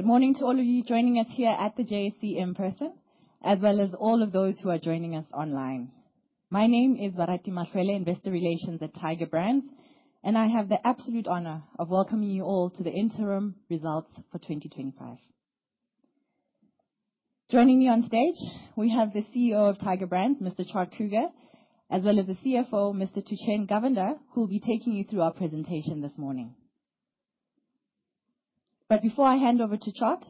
Good morning to all of you joining us here at the JSE in person, as well as all of those who are joining us online. My name is Barati Mahloele, Investor Relations at Tiger Brands, and I have the absolute honor of welcoming you all to the Interim Results for 2025. Joining me on stage, we have the CEO of Tiger Brands, Mr. Tjaart Kruger, as well as the CFO, Mr. Tushen Govender, who will be taking you through our presentation this morning. Before I hand over to Tjaart,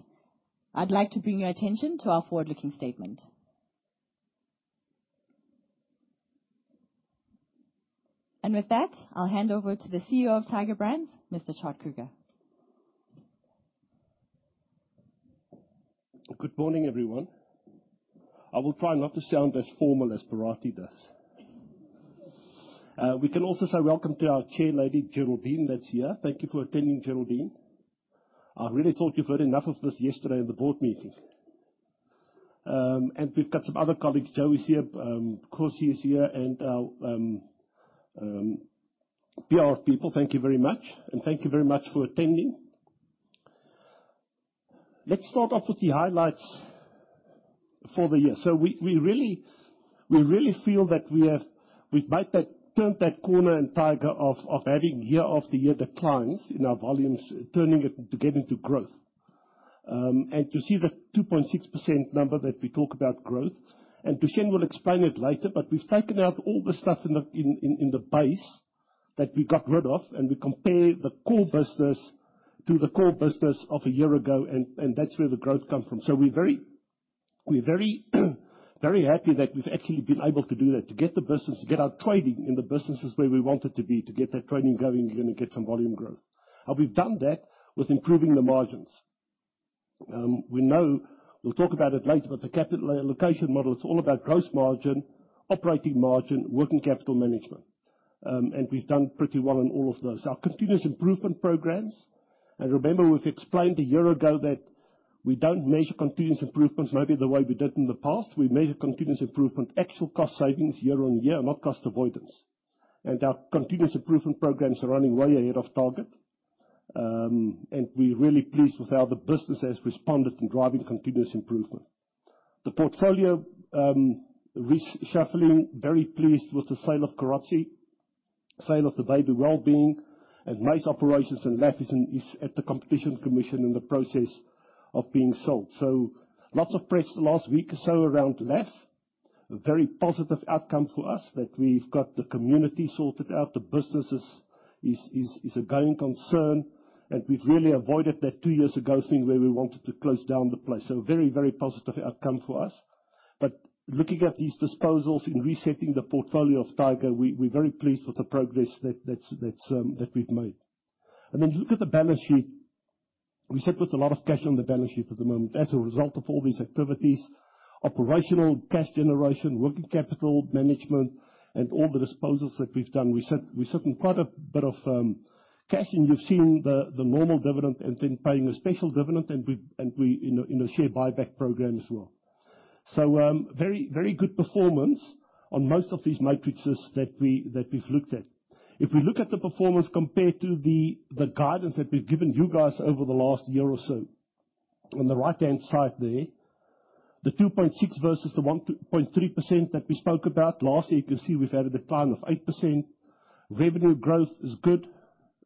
I'd like to bring your attention to our forward-looking statement. With that, I'll hand over to the CEO of Tiger Brands, Mr. Tjaart Kruger. Good morning, everyone. I will try not to sound as formal as Barati does. We can also say welcome to our Chair Lady, Geraldine, that's here. Thank you for attending, Geraldine. I really thought you've heard enough of this yesterday in the board meeting. And we've got some other colleagues. Joey's here, of course, he is here, and our PR people, thank you very much, and thank you very much for attending. Let's start off with the highlights for the year. We really feel that we've made that, turned that corner in Tiger of having year-after-year declines in our volumes, turning it to get into growth and to see the 2.6% number that we talk about growth. Tushen will explain it later, but we've taken out all the stuff in the base that we got rid of, and we compare the core business to the core business of a year ago, and that's where the growth comes from. We are very happy that we've actually been able to do that, to get the business, to get our trading in the businesses where we want it to be, to get that trading going, and get some volume growth. We've done that with improving the margins. We'll talk about it later, but the capital allocation model, it's all about gross margin, operating margin, working capital management. We've done pretty well in all of those. Our continuous improvement programs, and remember we've explained a year ago that we don't measure continuous improvements maybe the way we did in the past. We measure continuous improvement, actual cost savings year-on-year, not cost avoidance. Our continuous improvement programs are running way ahead of target, and we're really pleased with how the business has responded to driving continuous improvement. The portfolio reshuffling, very pleased with the sale of Karachi, sale of the baby wellbeing, and most operations in Lath is at the Competition Commission in the process of being sold. Lots of press last week or so around Lath, very positive outcome for us that we've got the community sorted out, the business is a going concern, and we've really avoided that two years ago thing where we wanted to close down the place. Very, very positive outcome for us. Looking at these disposals and resetting the portfolio of Tiger, we're very pleased with the progress that we've made. You look at the balance sheet, we sit with a lot of cash on the balance sheet at the moment. As a result of all these activities, operational cash generation, working capital management, and all the disposals that we've done, we sit in quite a bit of cash, and you've seen the normal dividend and then paying a special dividend, and we're in a share buyback program as well. Very good performance on most of these matrices that we've looked at. If we look at the performance compared to the guidance that we've given you guys over the last year or so, on the right-hand side there, the 2.6% versus the 1.3% that we spoke about last year, you can see we've had a decline of 8%. Revenue growth is good.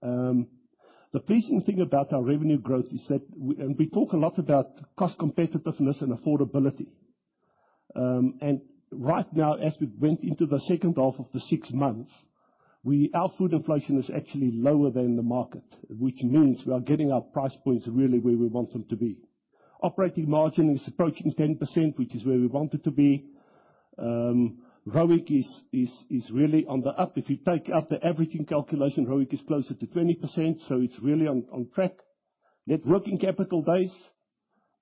The pleasing thing about our revenue growth is that we talk a lot about cost competitiveness and affordability. Right now, as we went into the second half of the six months, our food inflation is actually lower than the market, which means we are getting our price points really where we want them to be. Operating margin is approaching 10%, which is where we want it to be. ROIC is really on the up. If you take out the averaging calculation, ROIC is closer to 20%, so it is really on track. Net working capital days,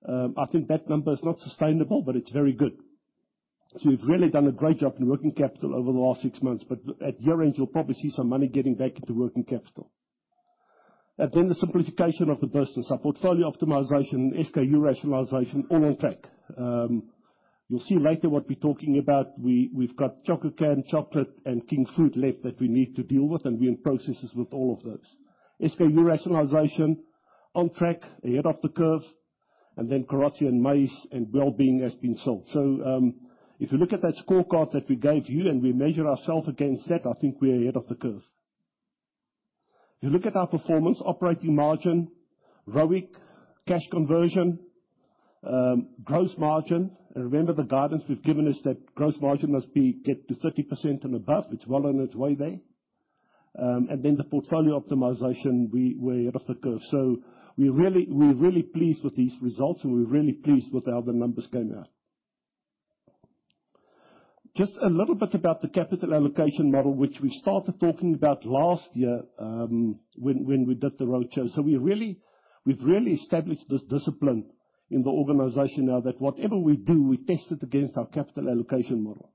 I think that number is not sustainable, but it is very good. We have really done a great job in working capital over the last six months, but at year-end, you will probably see some money getting back into working capital. The simplification of the business, our portfolio optimization, SKU rationalization, all on track. You'll see later what we're talking about. We've got Chococam, Chocolate, and King Food left that we need to deal with, and we're in processes with all of those. SKU rationalization, on track, ahead of the curve, and then Karachi and maize and wellbeing has been sold. If you look at that scorecard that we gave you and we measure ourselves against that, I think we're ahead of the curve. If you look at our performance, operating margin, ROIC, cash conversion, gross margin, and remember the guidance we've given is that gross margin must get to 30% and above. It's well on its way there. The portfolio optimization, we're ahead of the curve. We're really pleased with these results, and we're really pleased with how the numbers came out. Just a little bit about the capital allocation model, which we started talking about last year when we did the roadshow. We have really established this discipline in the organization now that whatever we do, we test it against our capital allocation model.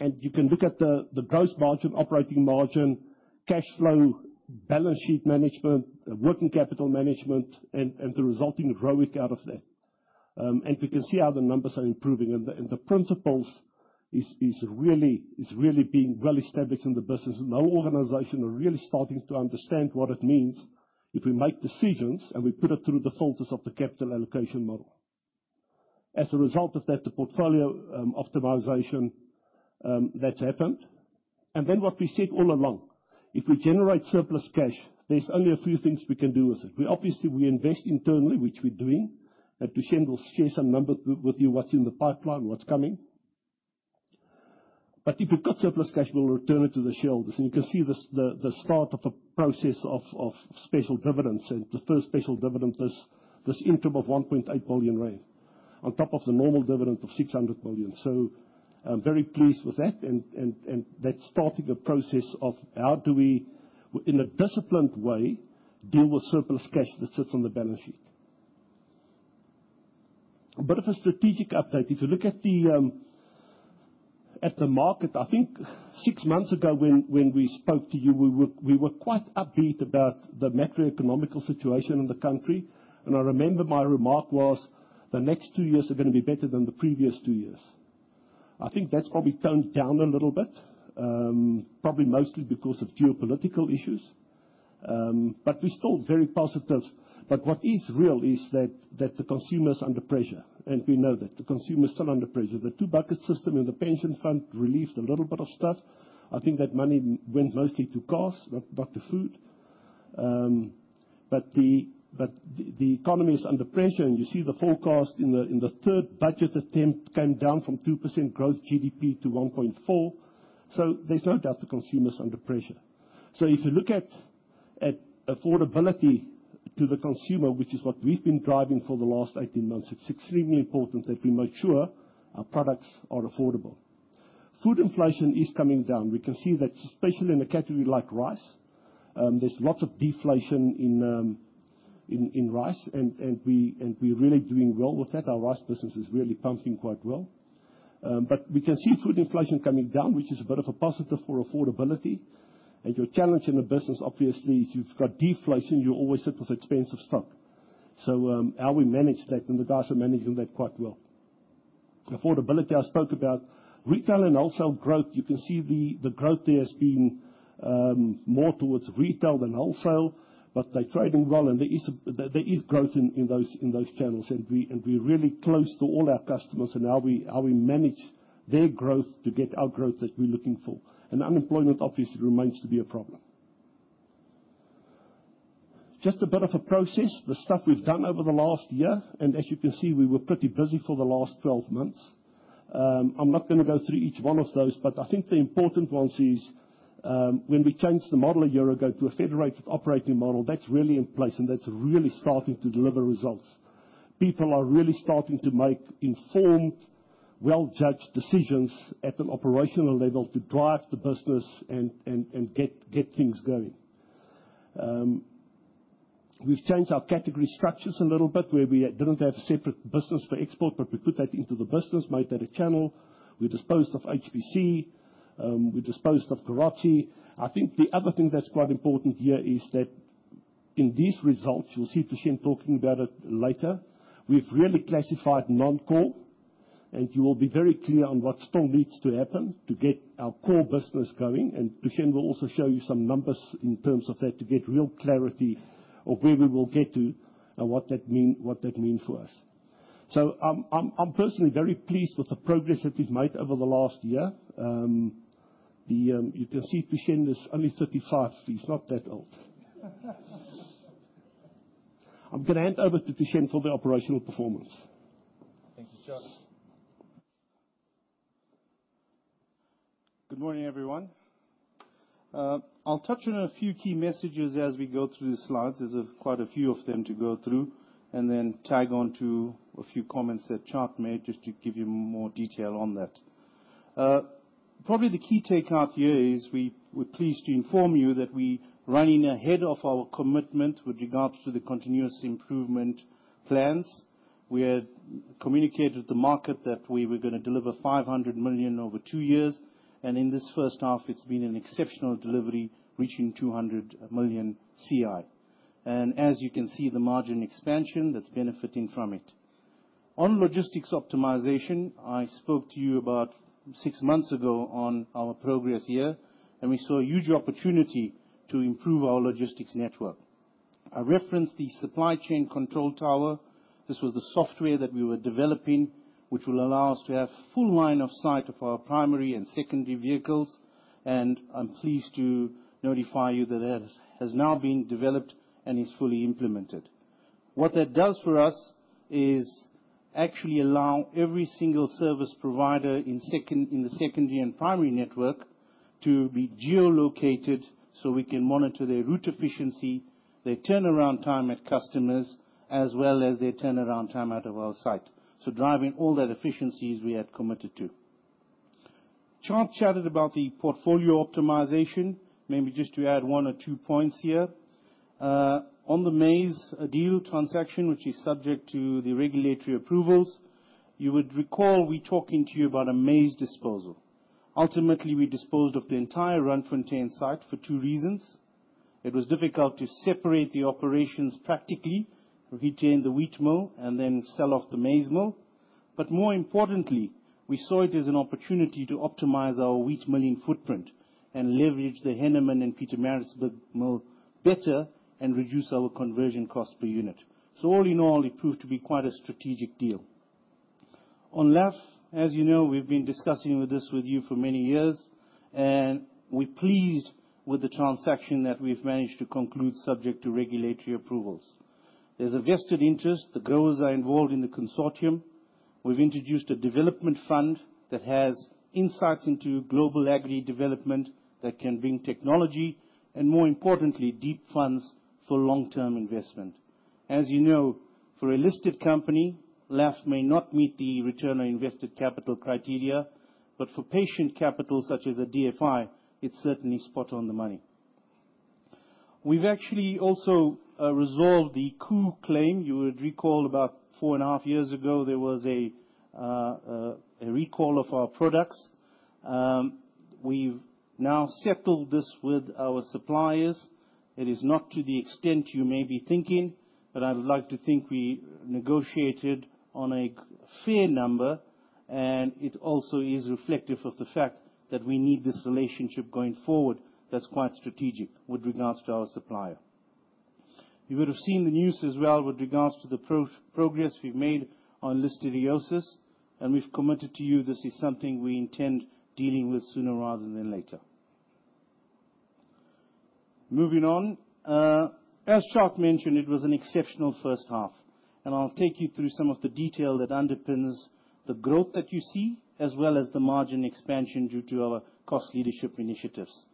You can look at the gross margin, operating margin, cash flow, balance sheet management, working capital management, and the resulting ROIC out of that. We can see how the numbers are improving. The principles are really being well established in the business. Our organization is really starting to understand what it means if we make decisions and we put it through the filters of the capital allocation model. As a result of that, the portfolio optimization, that's happened. What we said all along, if we generate surplus cash, there are only a few things we can do with it. Obviously, we invest internally, which we're doing. Tushen will share some numbers with you, what's in the pipeline, what's coming. If you've got surplus cash, we'll return it to the shareholders. You can see the start of the process of special dividends. The first special dividend, this interim, of 1.8 billion rand on top of the normal dividend of 600 million. I'm very pleased with that. That's starting a process of how do we, in a disciplined way, deal with surplus cash that sits on the balance sheet. A bit of a strategic update. If you look at the market, I think six months ago when we spoke to you, we were quite upbeat about the macroeconomical situation in the country. I remember my remark was, "The next two years are going to be better than the previous two years." I think that's probably toned down a little bit, probably mostly because of geopolitical issues. We are still very positive. What is real is that the consumer's under pressure. We know that the consumer's still under pressure. The two-bucket system in the pension fund relieved a little bit of stuff. I think that money went mostly to cars, not to food. The economy is under pressure. You see the forecast in the third budget attempt came down from 2% growth GDP to 1.4%. There is no doubt the consumer's under pressure. If you look at affordability to the consumer, which is what we've been driving for the last 18 months, it's extremely important that we make sure our products are affordable. Food inflation is coming down. We can see that, especially in a category like rice. There is lots of deflation in rice, and we're really doing well with that. Our rice business is really pumping quite well. We can see food inflation coming down, which is a bit of a positive for affordability. Your challenge in a business, obviously, is you've got deflation, you always sit with expensive stock. How we manage that, and the guys are managing that quite well. Affordability, I spoke about retail and wholesale growth. You can see the growth there has been more towards retail than wholesale, but they're trading well. There is growth in those channels. We're really close to all our customers and how we manage their growth to get our growth that we're looking for. Unemployment obviously remains to be a problem. Just a bit of a process, the stuff we've done over the last year. As you can see, we were pretty busy for the last 12 months. I'm not going to go through each one of those, but I think the important ones is when we changed the model a year ago to a federated operating model, that's really in place and that's really starting to deliver results. People are really starting to make informed, well-judged decisions at an operational level to drive the business and get things going. We've changed our category structures a little bit where we didn't have separate business for export, but we put that into the business, made that a channel. We disposed of HPC, we disposed of Karachi. I think the other thing that's quite important here is that in these results, you'll see Tushen talking about it later, we've really classified non-core, and you will be very clear on what still needs to happen to get our core business going. Tushen will also show you some numbers in terms of that to get real clarity of where we will get to and what that means for us. I am personally very pleased with the progress that we've made over the last year. You can see Tushen is only 35, he's not that old. I'm going to hand over to Tushen for the operational performance. Thank you, Tjaart. Good morning, everyone. I'll touch on a few key messages as we go through the slides. There are quite a few of them to go through and then tag on to a few comments that Tjaart made just to give you more detail on that. Probably the key takeout here is we're pleased to inform you that we're running ahead of our commitment with regards to the continuous improvement plans. We had communicated with the market that we were going to deliver 500 million over two years. In this first half, it has been an exceptional delivery, reaching 200 million CI. As you can see, the margin expansion is benefiting from it. On logistics optimization, I spoke to you about six months ago on our progress here, and we saw a huge opportunity to improve our logistics network. I referenced the supply chain control tower. This was the software that we were developing, which will allow us to have full line of sight of our primary and secondary vehicles. I am pleased to notify you that it has now been developed and is fully implemented. What that does for us is actually allow every single service provider in the secondary and primary network to be geolocated so we can monitor their route efficiency, their turnaround time at customers, as well as their turnaround time out of our site. Driving all that efficiency as we had committed to. Tjaart chatted about the portfolio optimization, maybe just to add one or two points here. On the maize deal transaction, which is subject to the regulatory approvals, you would recall we talked to you about a maize disposal. Ultimately, we disposed of the entire Randfontein site for two reasons. It was difficult to separate the operations practically, retain the wheat mill, and then sell off the maize mill. More importantly, we saw it as an opportunity to optimize our wheat milling footprint and leverage the Hennemann and Petermaritzburg mill better and reduce our conversion cost per unit. All in all, it proved to be quite a strategic deal. On Lath, as you know, we've been discussing this with you for many years, and we're pleased with the transaction that we've managed to conclude subject to regulatory approvals. There's a vested interest. The growers are involved in the consortium. We've introduced a development fund that has insights into global agri development that can bring technology and, more importantly, deep funds for long-term investment. As you know, for a listed company, Lath may not meet the return on invested capital criteria, but for patient capital such as a DFI, it's certainly spot on the money. We've actually also resolved the coup claim. You would recall about four and a half years ago, there was a recall of our products. We've now settled this with our suppliers. It is not to the extent you may be thinking, but I would like to think we negotiated on a fair number. It also is reflective of the fact that we need this relationship going forward that's quite strategic with regards to our supplier. You would have seen the news as well with regards to the progress we've made on listed EOSIS. We've committed to you this is something we intend dealing with sooner rather than later. Moving on, as Tjaart mentioned, it was an exceptional first half. I'll take you through some of the detail that underpins the growth that you see, as well as the margin expansion due to our cost leadership initiatives.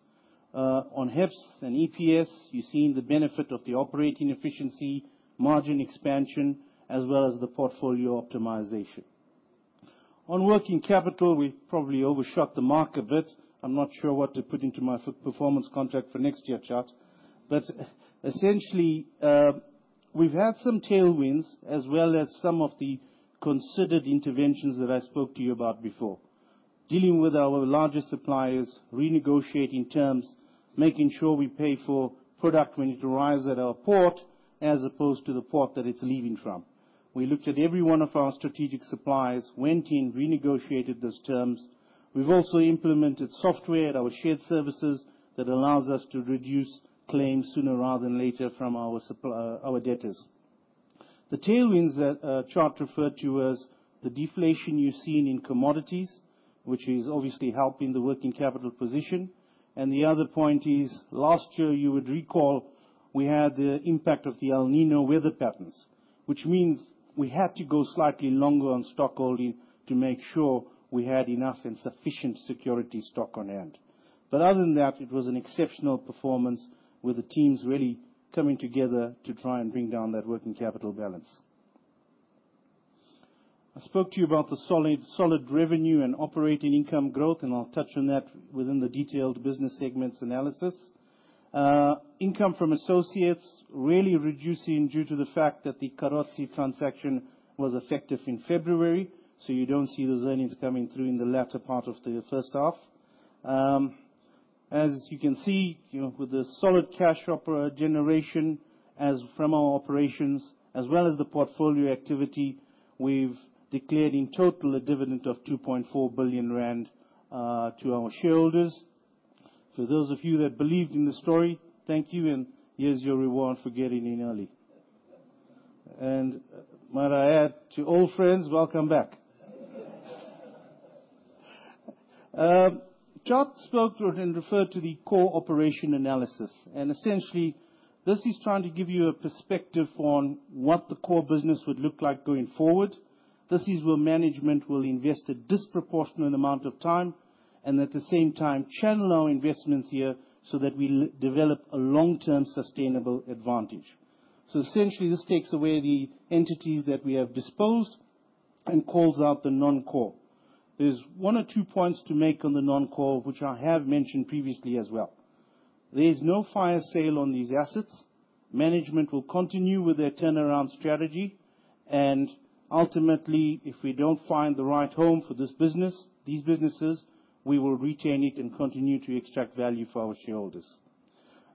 On HEPS and EPS, you've seen the benefit of the operating efficiency, margin expansion, as well as the portfolio optimization. On working capital, we probably overshot the mark a bit. I'm not sure what to put into my performance contract for next year, Tjaart. Essentially, we've had some tailwinds as well as some of the considered interventions that I spoke to you about before. Dealing with our largest suppliers, renegotiating terms, making sure we pay for product when it arrives at our port as opposed to the port that it's leaving from. We looked at every one of our strategic suppliers, went in, renegotiated those terms. We've also implemented software at our shared services that allows us to reduce claims sooner rather than later from our debtors. The tailwinds that Tjaart referred to as the deflation you've seen in commodities, which is obviously helping the working capital position. The other point is, last year, you would recall we had the impact of the El Niño weather patterns, which means we had to go slightly longer on stock holding to make sure we had enough and sufficient security stock on hand. Other than that, it was an exceptional performance with the teams really coming together to try and bring down that working capital balance. I spoke to you about the solid revenue and operating income growth, and I'll touch on that within the detailed business segments analysis. Income from associates really reducing due to the fact that the Carozzi transaction was effective in February. You do not see those earnings coming through in the latter part of the first half. As you can see, with the solid cash operator generation from our operations, as well as the portfolio activity, we have declared in total a dividend of 2.4 billion rand to our shareholders. For those of you that believed in the story, thank you. Here is your reward for getting in early. Might I add to all friends, welcome back. Tjaart spoke and referred to the core operation analysis. Essentially, this is trying to give you a perspective on what the core business would look like going forward. This is where management will invest a disproportionate amount of time and at the same time channel our investments here so that we develop a long-term sustainable advantage. Essentially, this takes away the entities that we have disposed and calls out the non-core. There's one or two points to make on the non-core, which I have mentioned previously as well. There's no fire sale on these assets. Management will continue with their turnaround strategy. Ultimately, if we don't find the right home for these businesses, we will retain it and continue to extract value for our shareholders.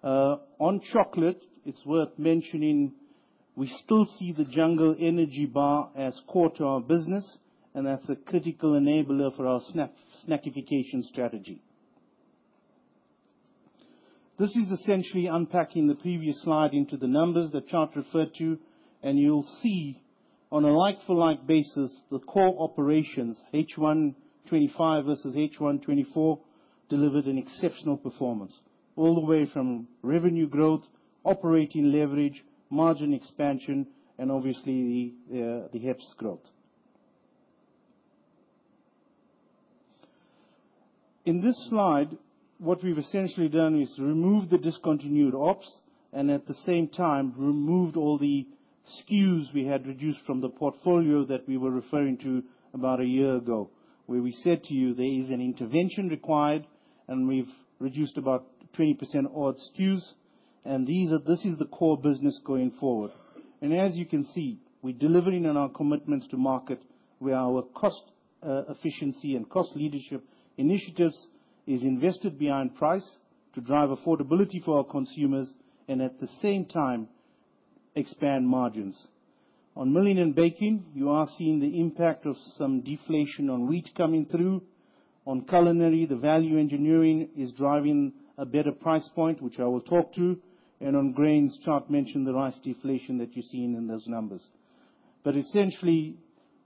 On chocolate, it's worth mentioning we still see the Jungle Energy Bar as core to our business, and that's a critical enabler for our snackification strategy. This is essentially unpacking the previous slide into the numbers that Tjaart referred to. You'll see on a like-for-like basis, the core operations, H1 2025 versus H1 2024, delivered an exceptional performance all the way from revenue growth, operating leverage, margin expansion, and obviously the HEPS growth. In this slide, what we've essentially done is removed the discontinued ops and at the same time removed all the SKUs we had reduced from the portfolio that we were referring to about a year ago, where we said to you there is an intervention required and we've reduced about 20% odd SKUs. This is the core business going forward. As you can see, we're delivering on our commitments to market where our cost efficiency and cost leadership initiatives is invested behind price to drive affordability for our consumers and at the same time expand margins. On Milling & Baking, you are seeing the impact of some deflation on wheat coming through. On Culinary, the value engineering is driving a better price point, which I will talk to. On Grains, Tjaart mentioned the rice deflation that you've seen in those numbers. Essentially,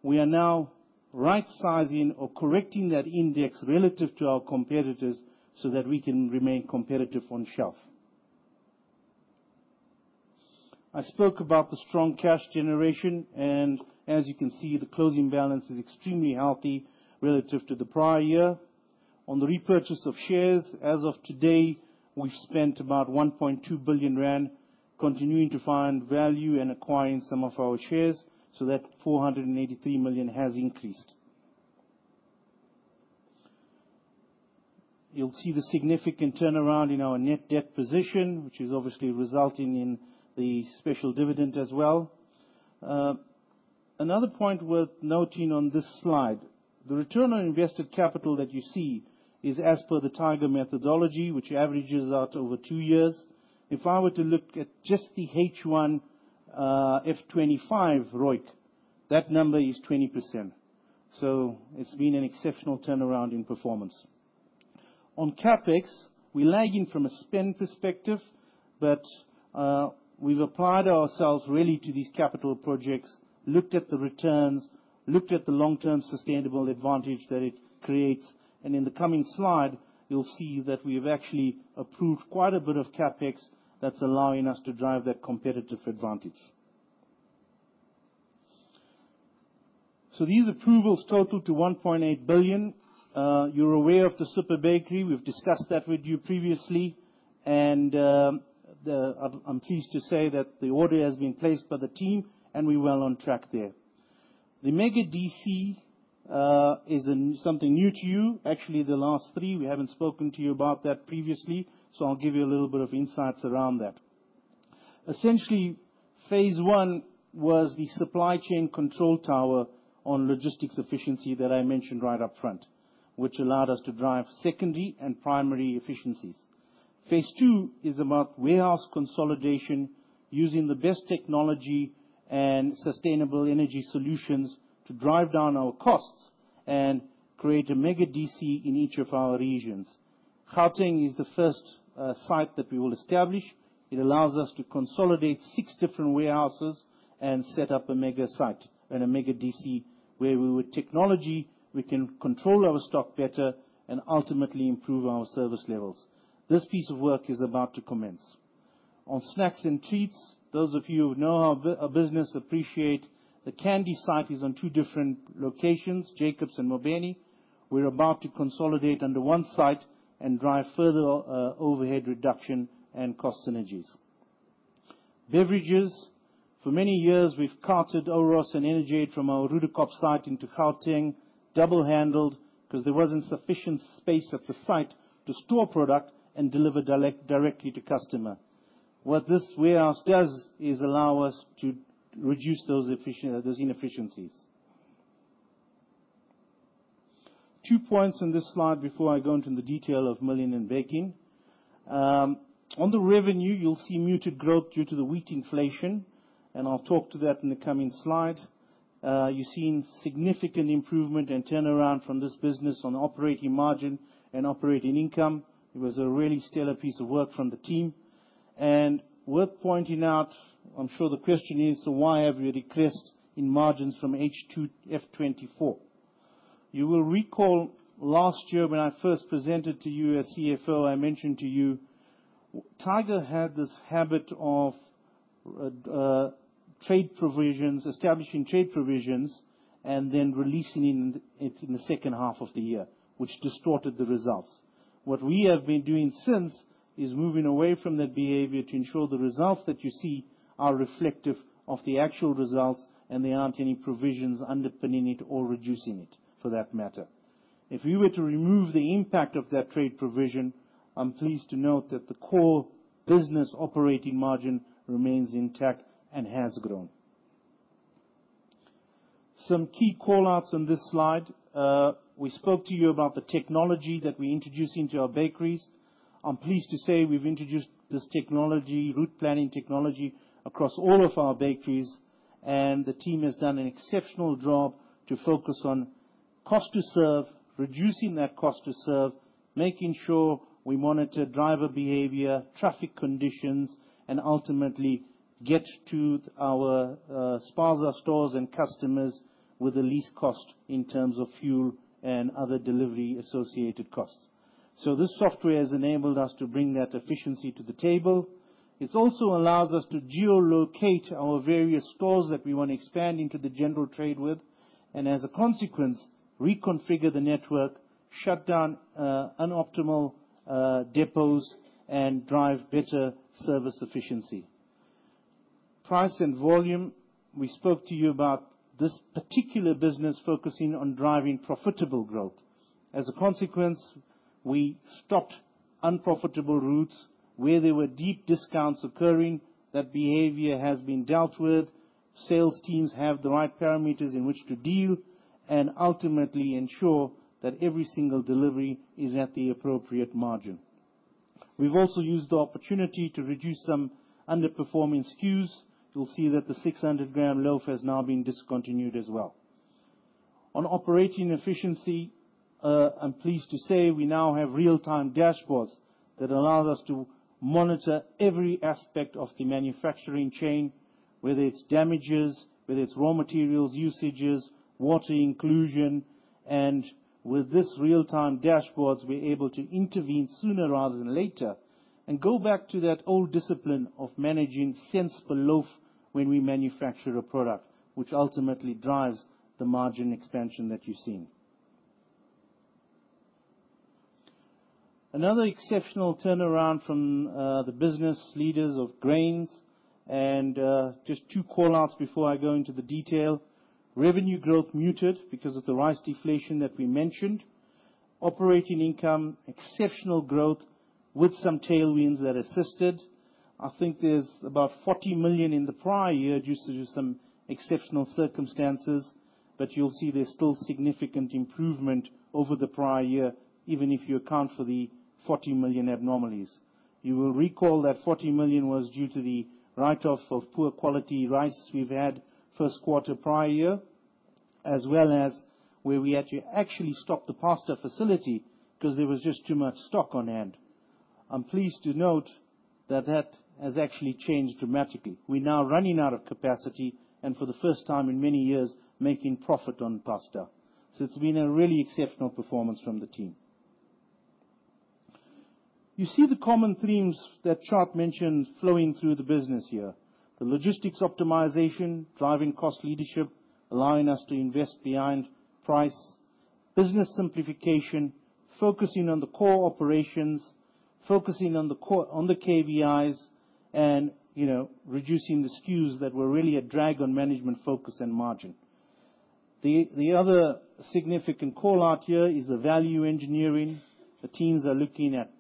we are now right-sizing or correcting that index relative to our competitors so that we can remain competitive on shelf. I spoke about the strong cash generation. As you can see, the closing balance is extremely healthy relative to the prior year. On the repurchase of shares, as of today, we have spent about 1.2 billion rand continuing to find value and acquiring some of our shares. That 483 million has increased. You will see the significant turnaround in our net debt position, which is obviously resulting in the special dividend as well. Another point worth noting on this slide, the return on invested capital that you see is as per the Tiger methodology, which averages out over two years. If I were to look at just the H1F25 ROIC, that number is 20%. It has been an exceptional turnaround in performance. On CapEx, we lag in from a spend perspective, but we've applied ourselves really to these capital projects, looked at the returns, looked at the long-term sustainable advantage that it creates. In the coming slide, you'll see that we have actually approved quite a bit of CapEx that's allowing us to drive that competitive advantage. These approvals total to 1.8 billion. You're aware of the super bakery. We've discussed that with you previously. I'm pleased to say that the order has been placed by the team, and we're well on track there. The mega DC is something new to you. Actually, the last three, we haven't spoken to you about that previously. I'll give you a little bit of insights around that. Essentially, phase one was the supply chain control tower on logistics efficiency that I mentioned right up front, which allowed us to drive secondary and primary efficiencies. Phase two is about warehouse consolidation using the best technology and sustainable energy solutions to drive down our costs and create a mega DC in each of our regions. Gauteng is the first site that we will establish. It allows us to consolidate six different warehouses and set up a mega site and a mega DC where with technology, we can control our stock better and ultimately improve our service levels. This piece of work is about to commence. On snacks and treats, those of you who know our business appreciate the candy site is on two different locations, Jacobs and Mobeni. We're about to consolidate under one site and drive further overhead reduction and cost synergies. Beverages, for many years, we've carted Oros and Ener-Jade from our Rudacop site into Gauteng, double-handled because there wasn't sufficient space at the site to store product and deliver directly to customer. What this warehouse does is allow us to reduce those inefficiencies. Two points on this slide before I go into the detail of Milling & Baking. On the revenue, you'll see muted growth due to the wheat inflation. I'll talk to that in the coming slide. You've seen significant improvement and turnaround from this business on operating margin and operating income. It was a really stellar piece of work from the team. It's worth pointing out, I'm sure the question is, why have we decreased in margins from H2 2024? You will recall last year when I first presented to you as CFO, I mentioned to you Tiger had this habit of establishing trade provisions and then releasing it in the second half of the year, which distorted the results. What we have been doing since is moving away from that behavior to ensure the results that you see are reflective of the actual results and there aren't any provisions underpinning it or reducing it for that matter. If we were to remove the impact of that trade provision, I'm pleased to note that the core business operating margin remains intact and has grown. Some key callouts on this slide. We spoke to you about the technology that we're introducing to our bakeries. I'm pleased to say we've introduced this route planning technology across all of our bakeries. The team has done an exceptional job to focus on cost to serve, reducing that cost to serve, making sure we monitor driver behavior, traffic conditions, and ultimately get to our sparser stores and customers with the least cost in terms of fuel and other delivery associated costs. This software has enabled us to bring that efficiency to the table. It also allows us to geolocate our various stores that we want to expand into the general trade with. As a consequence, we reconfigure the network, shut down unoptimal depots, and drive better service efficiency. Price and volume, we spoke to you about this particular business focusing on driving profitable growth. As a consequence, we stopped unprofitable routes where there were deep discounts occurring. That behavior has been dealt with. Sales teams have the right parameters in which to deal and ultimately ensure that every single delivery is at the appropriate margin. We have also used the opportunity to reduce some underperforming SKUs. You will see that the 600-gram loaf has now been discontinued as well. On operating efficiency, I am pleased to say we now have real-time dashboards that allow us to monitor every aspect of the manufacturing chain, whether it is damages, whether it is raw materials usages, water inclusion. With these real-time dashboards, we are able to intervene sooner rather than later and go back to that old discipline of managing cents per loaf when we manufacture a product, which ultimately drives the margin expansion that you have seen. Another exceptional turnaround from the business leaders of Grains. Just two callouts before I go into the detail. Revenue growth muted because of the rice deflation that we mentioned. Operating income, exceptional growth with some tailwinds that assisted. I think there's about 40 million in the prior year due to some exceptional circumstances. You'll see there's still significant improvement over the prior year, even if you account for the 40 million abnormalities. You will recall that 40 million was due to the write-off of poor quality rice we've had first quarter prior year, as well as where we actually stopped the pasta facility because there was just too much stock on hand. I'm pleased to note that that has actually changed dramatically. We're now running out of capacity and for the first time in many years, making profit on pasta. It has been a really exceptional performance from the team. You see the common themes that Tjaart mentioned flowing through the business here. The logistics optimization, driving cost leadership, allowing us to invest behind price, business simplification, focusing on the core operations, focusing on the KBIs, and reducing the SKUs that were really a drag on management focus and margin. The other significant callout here is the value engineering. The teams are looking at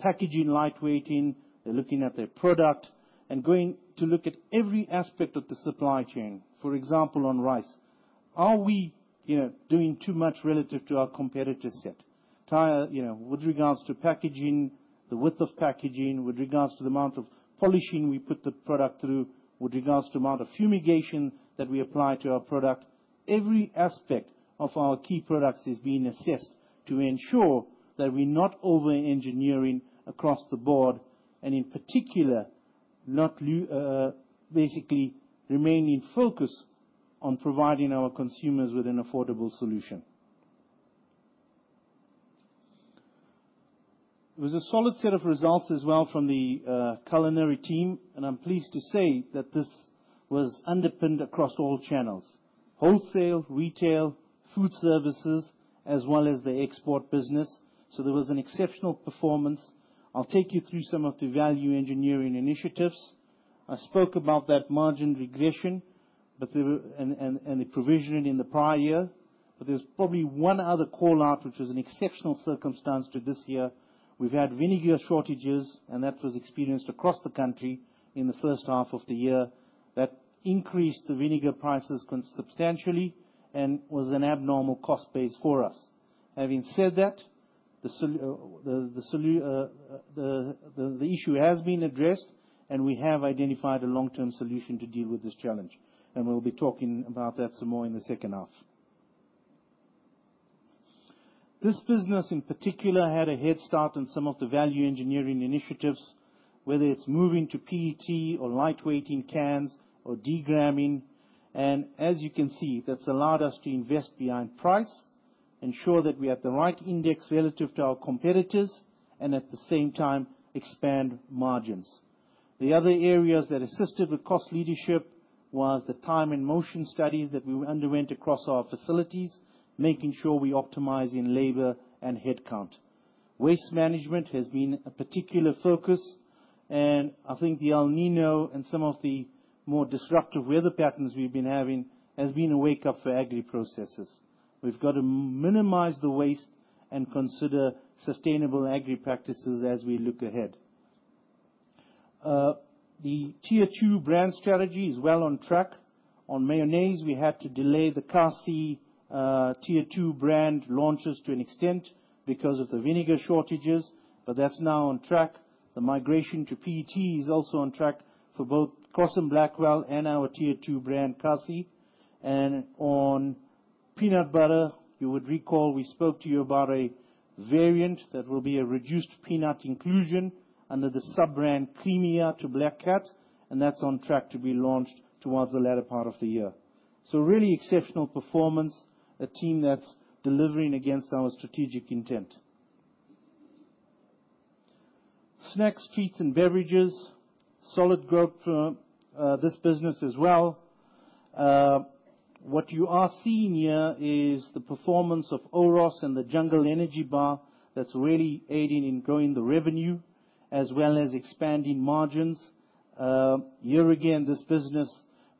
packaging lightweighting. They're looking at their product and going to look at every aspect of the supply chain. For example, on rice, are we doing too much relative to our competitor set? With regards to packaging, the width of packaging, with regards to the amount of polishing we put the product through, with regards to the amount of fumigation that we apply to our product, every aspect of our key products is being assessed to ensure that we're not over-engineering across the board and in particular, basically remaining focused on providing our consumers with an affordable solution. There was a solid set of results as well from the culinary team. I am pleased to say that this was underpinned across all channels: wholesale, retail, food services, as well as the export business. There was an exceptional performance. I will take you through some of the value engineering initiatives. I spoke about that margin regression and the provisioning in the prior year. There is probably one other callout, which was an exceptional circumstance to this year. We have had vinegar shortages, and that was experienced across the country in the first half of the year. That increased the vinegar prices substantially and was an abnormal cost base for us. Having said that, the issue has been addressed, and we have identified a long-term solution to deal with this challenge. We will be talking about that some more in the second half. This business, in particular, had a head start on some of the value engineering initiatives, whether it's moving to PET or lightweighting cans or de-gramming. As you can see, that's allowed us to invest behind price, ensure that we have the right index relative to our competitors, and at the same time, expand margins. The other areas that assisted with cost leadership were the time and motion studies that we underwent across our facilities, making sure we optimize in labor and headcount. Waste management has been a particular focus. I think the El Niño and some of the more disruptive weather patterns we've been having have been a wake-up for agri-processes. We've got to minimize the waste and consider sustainable agri-practices as we look ahead. The tier two brand strategy is well on track. On mayonnaise, we had to delay the Kasi tier two brand launches to an extent because of the vinegar shortages. That is now on track. The migration to PET is also on track for both Cross & Blackwell and our tier two brand Kasi. On peanut butter, you would recall we spoke to you about a variant that will be a reduced peanut inclusion under the sub-brand Cremica to Black Cat. That is on track to be launched towards the latter part of the year. Really exceptional performance, a team that is delivering against our strategic intent. Snacks, treats, and beverages, solid growth for this business as well. What you are seeing here is the performance of Oros and the Jungle Energy Bar that is really aiding in growing the revenue as well as expanding margins. Here again, this business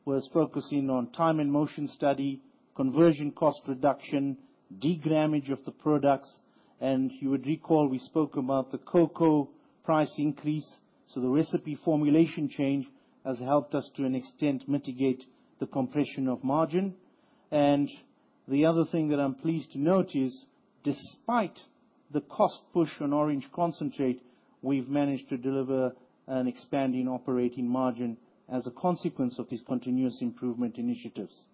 was focusing on time and motion study, conversion cost reduction, de-grammage of the products. You would recall we spoke about the cocoa price increase. The recipe formulation change has helped us to an extent mitigate the compression of margin. The other thing that I'm pleased to note is, despite the cost push on orange concentrate, we've managed to deliver an expanding operating margin as a consequence of these continuous improvement initiatives.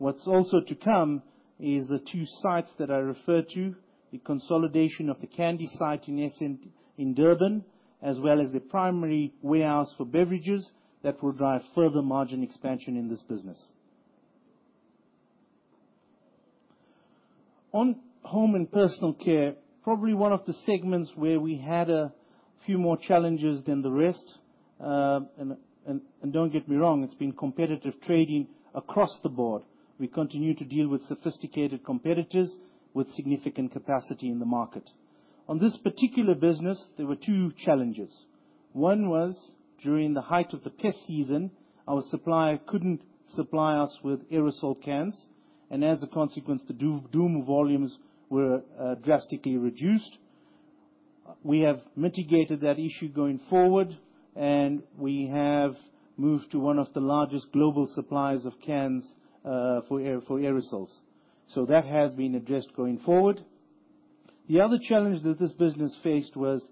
What's also to come is the two sites that I referred to, the consolidation of the candy site in Durban, as well as the primary warehouse for beverages that will drive further margin expansion in this business. On home and personal care, probably one of the segments where we had a few more challenges than the rest. Don't get me wrong, it's been competitive trading across the board. We continue to deal with sophisticated competitors with significant capacity in the market. On this particular business, there were two challenges. One was during the height of the pest season, our supplier could not supply us with aerosol cans. As a consequence, the Doom volumes were drastically reduced. We have mitigated that issue going forward, and we have moved to one of the largest global suppliers of cans for aerosols. That has been addressed going forward. The other challenge that this business faced was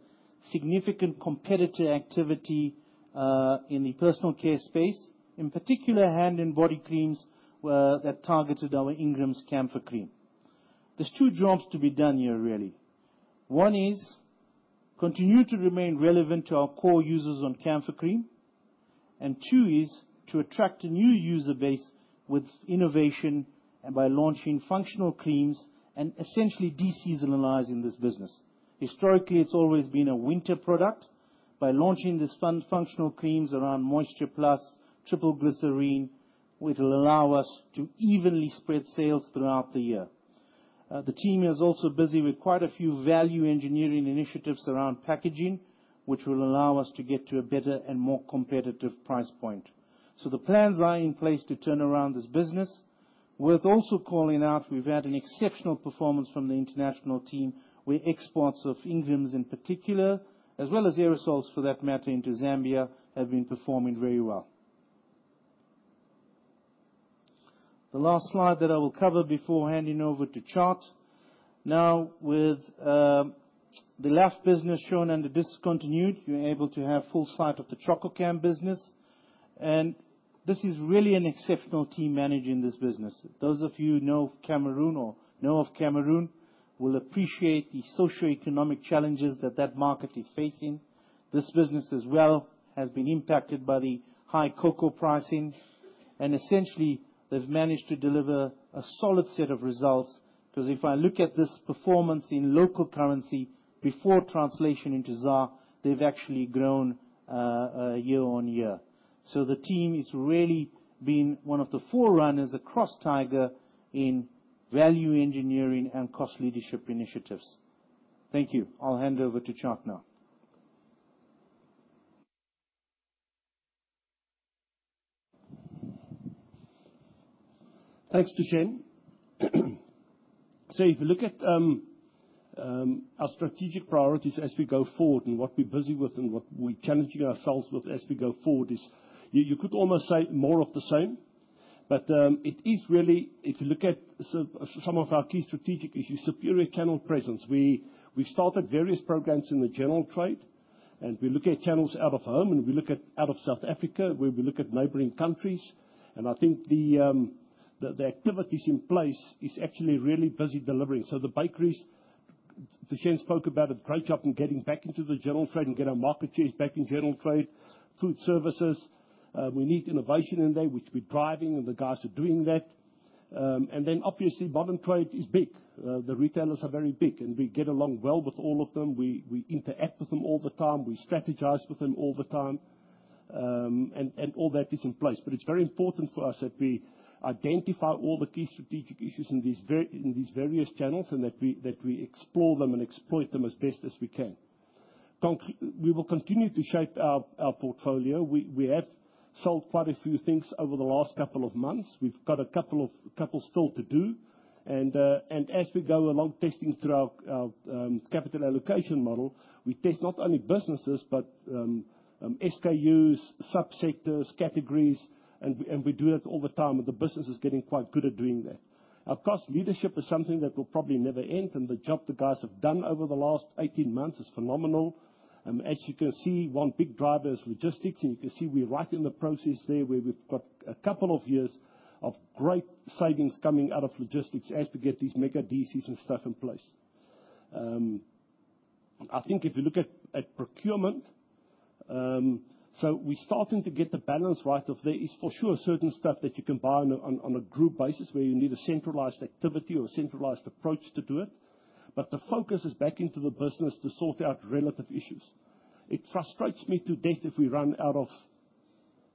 significant competitor activity in the personal care space, in particular hand and body creams that targeted our Ingram's Camphor Cream. There are two jobs to be done here, really. One is to continue to remain relevant to our core users on Camphor Cream. Two is to attract a new user base with innovation and by launching functional creams and essentially de-seasonalizing this business. Historically, it's always been a winter product. By launching these functional creams around Moisture Plus, Triple Glycerine, it will allow us to evenly spread sales throughout the year. The team is also busy with quite a few value engineering initiatives around packaging, which will allow us to get to a better and more competitive price point. The plans are in place to turn around this business. Worth also calling out, we've had an exceptional performance from the international team, where exports of Ingram's in particular, as well as aerosols for that matter into Zambia, have been performing very well. The last slide that I will cover before handing over to Tjaart. Now, with the left business shown under discontinued, you're able to have full sight of the Chococam business. This is really an exceptional team managing this business. Those of you who know Cameroon or know of Cameroon will appreciate the socioeconomic challenges that that market is facing. This business as well has been impacted by the high cocoa pricing. Essentially, they have managed to deliver a solid set of results. If I look at this performance in local currency before translation into ZAR, they have actually grown year on-year. The team has really been one of the forerunners across Tiger in value engineering and cost leadership initiatives. Thank you. I will hand over to Tjaart now. Thanks, Tushen. If you look at our strategic priorities as we go forward and what we are busy with and what we are challenging ourselves with as we go forward, you could almost say more of the same. It is really, if you look at some of our key strategic issues, superior channel presence. We've started various programs in the general trade. We look at channels out of home, and we look at out of South Africa, where we look at neighboring countries. I think the activities in place are actually really busy delivering. The bakeries, Shen spoke about it, great job in getting back into the general trade and getting our market shares back in general trade, food services. We need innovation in there, which we're driving, and the guys are doing that. Obviously, modern trade is big. The retailers are very big, and we get along well with all of them. We interact with them all the time. We strategize with them all the time. All that is in place. It is very important for us that we identify all the key strategic issues in these various channels and that we explore them and exploit them as best as we can. We will continue to shape our portfolio. We have sold quite a few things over the last couple of months. We have got a couple still to do. As we go along testing through our capital allocation model, we test not only businesses but SKUs, sub-sectors, categories. We do that all the time, and the business is getting quite good at doing that. Our cost leadership is something that will probably never end. The job the guys have done over the last 18 months is phenomenal. As you can see, one big driver is logistics. You can see we're right in the process there where we've got a couple of years of great savings coming out of logistics as we get these mega DCs and stuff in place. I think if you look at procurement, we're starting to get the balance right there. It's for sure certain stuff that you can buy on a group basis where you need a centralized activity or a centralized approach to do it. The focus is back into the business to sort out relative issues. It frustrates me to death if we run out of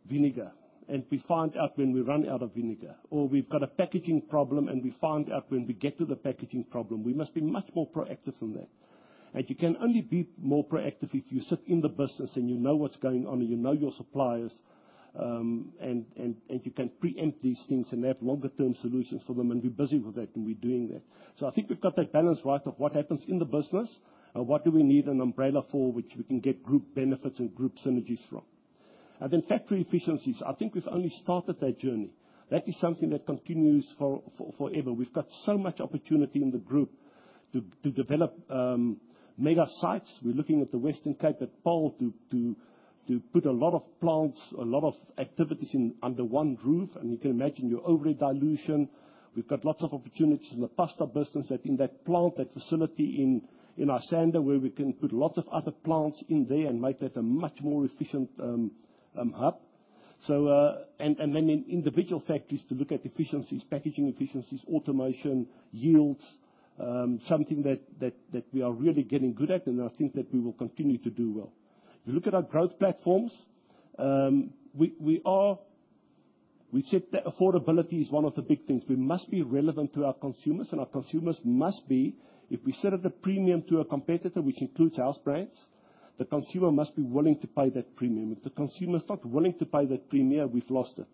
vinegar. We find out when we run out of vinegar. Or we've got a packaging problem, and we find out when we get to the packaging problem. We must be much more proactive than that. You can only be more proactive if you sit in the business and you know what's going on and you know your suppliers. You can preempt these things and have longer-term solutions for them and be busy with that. We're doing that. I think we've got that balance right of what happens in the business and what do we need an umbrella for, which we can get group benefits and group synergies from. Then factory efficiencies. I think we've only started that journey. That is something that continues forever. We've got so much opportunity in the group to develop mega sites. We're looking at the Western Cape at Paarl to put a lot of plants, a lot of activities under one roof. You can imagine your overhead dilution. We've got lots of opportunities in the pasta business in that plant, that facility in Isando where we can put lots of other plants in there and make that a much more efficient hub. In individual factories, to look at efficiencies, packaging efficiencies, automation, yields, something that we are really getting good at, and I think that we will continue to do well. If you look at our growth platforms, we said that affordability is one of the big things. We must be relevant to our consumers, and our consumers must be, if we set up the premium to a competitor, which includes house brands, the consumer must be willing to pay that premium. If the consumer's not willing to pay that premium, we've lost it.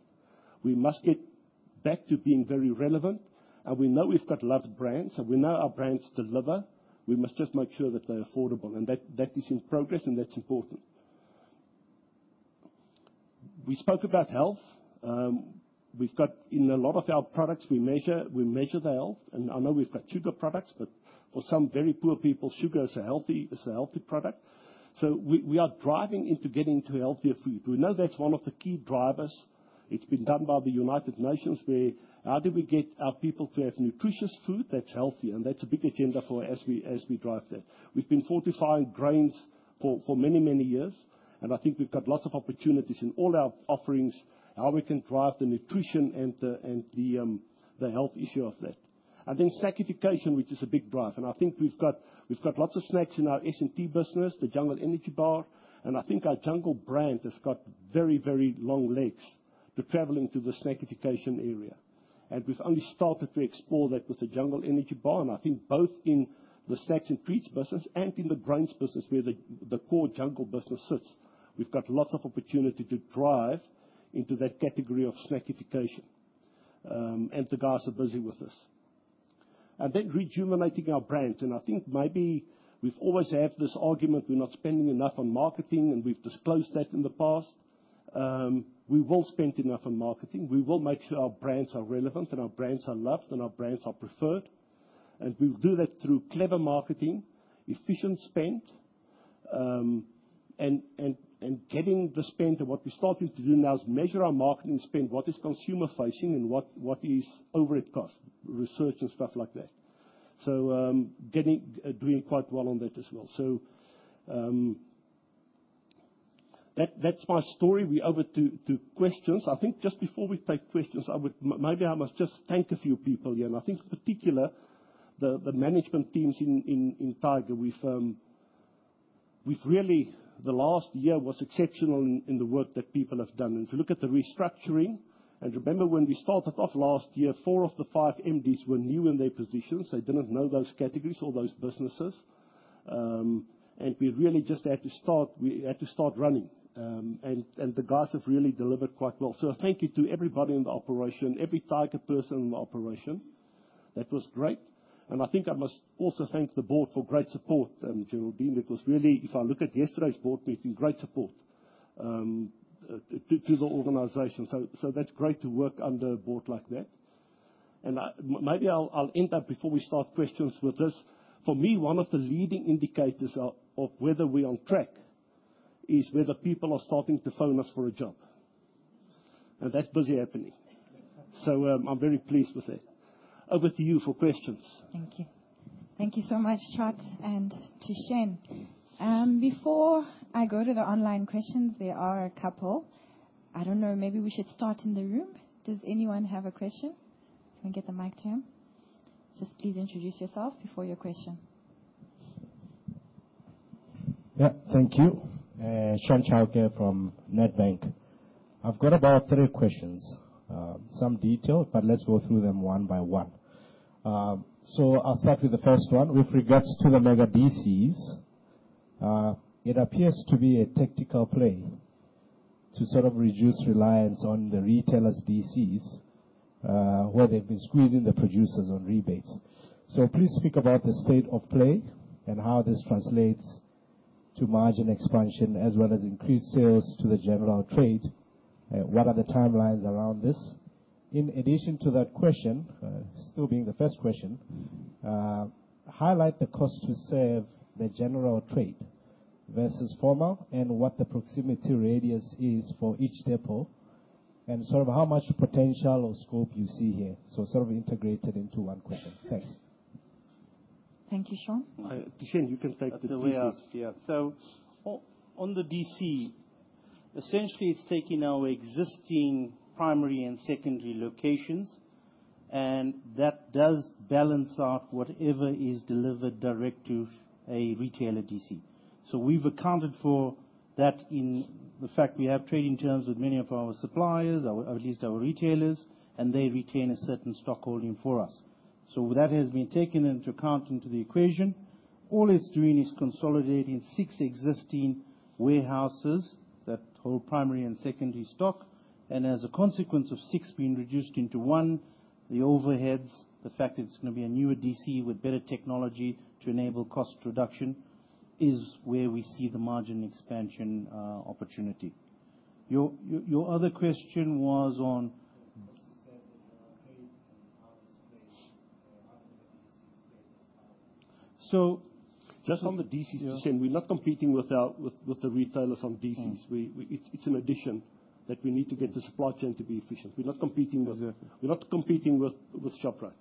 We must get back to being very relevant. We know we've got loved brands, and we know our brands deliver. We must just make sure that they're affordable. That is in progress, and that's important. We spoke about health. In a lot of our products, we measure the health. I know we've got sugar products, but for some very poor people, sugar is a healthy product. We are driving into getting to healthier food. We know that's one of the key drivers. It has been done by the United Nations where, how do we get our people to have nutritious food that's healthy? That is a big agenda for us as we drive that. We have been fortifying grains for many, many years. I think we've got lots of opportunities in all our offerings, how we can drive the nutrition and the health issue of that. Snackification, which is a big drive. I think we've got lots of snacks in our S&T business, the Jungle Energy Bar. I think our Jungle brand has got very, very long legs to traveling to the snackification area. We've only started to explore that with the Jungle Energy Bar. I think both in the snacks and treats business and in the grains business, where the core Jungle business sits, we've got lots of opportunity to drive into that category of snackification. The guys are busy with this. Rejuvenating our brands, I think maybe we've always had this argument. We're not spending enough on marketing, and we've disclosed that in the past. We will spend enough on marketing. We will make sure our brands are relevant and our brands are loved and our brands are preferred. We will do that through clever marketing, efficient spend, and getting the spend to what we are starting to do now, which is measure our marketing spend, what is consumer-facing and what is overhead cost, research and stuff like that. Doing quite well on that as well. That is my story. We are over to questions. I think just before we take questions, maybe I must just thank a few people here. I think in particular, the management teams in Tiger, the last year was exceptional in the work that people have done. If you look at the restructuring, and remember when we started off last year, four of the five MDs were new in their positions. They did not know those categories or those businesses. We really just had to start running. The guys have really delivered quite well. Thank you to everybody in the operation, every Tiger person in the operation. That was great. I think I must also thank the board for great support, Geraldine. It was really, if I look at yesterday's board meeting, great support to the organization. That is great to work under a board like that. Maybe I'll end up before we start questions with this. For me, one of the leading indicators of whether we're on track is whether people are starting to phone us for a job. That is busy happening. I am very pleased with that. Over to you for questions. Thank you. Thank you so much, Tjaart, and Tushen. Before I go to the online questions, there are a couple. I do not know, maybe we should start in the room. Does anyone have a question? Can we get the mic to him? Just please introduce yourself before your question. Yeah, thank you. Shen Chao Ge from Nedbank. I've got about three questions, some detailed, but let's go through them one by one. I’ll start with the first one. With regards to the mega DCs, it appears to be a tactical play to sort of reduce reliance on the retailers' DCs, where they've been squeezing the producers on rebates. Please speak about the state of play and how this translates to margin expansion as well as increased sales to the general trade. What are the timelines around this? In addition to that question, still being the first question, highlight the cost to serve the general trade versus formal and what the proximity radius is for each depot and sort of how much potential or scope you see here. Sort of integrate it into one question. Thanks. Thank you, Shen. Shen, you can take the DCs. Yeah. On the DC, essentially, it's taking our existing primary and secondary locations, and that does balance out whatever is delivered direct to a retailer DC. We have accounted for that in the fact we have trading terms with many of our suppliers, at least our retailers, and they retain a certain stock holding for us. That has been taken into account in the equation. All it's doing is consolidating six existing warehouses, that whole primary and secondary stock. As a consequence of six being reduced into one, the overheads, the fact that it's going to be a newer DC with better technology to enable cost reduction is where we see the margin expansion opportunity. Your other question was on, as you said, the general trade and how this plays out in the DCs play as well. Just on the DCs, Shen, we're not competing with the retailers on DCs. It's an addition that we need to get the supply chain to be efficient. We're not competing with Shoprite.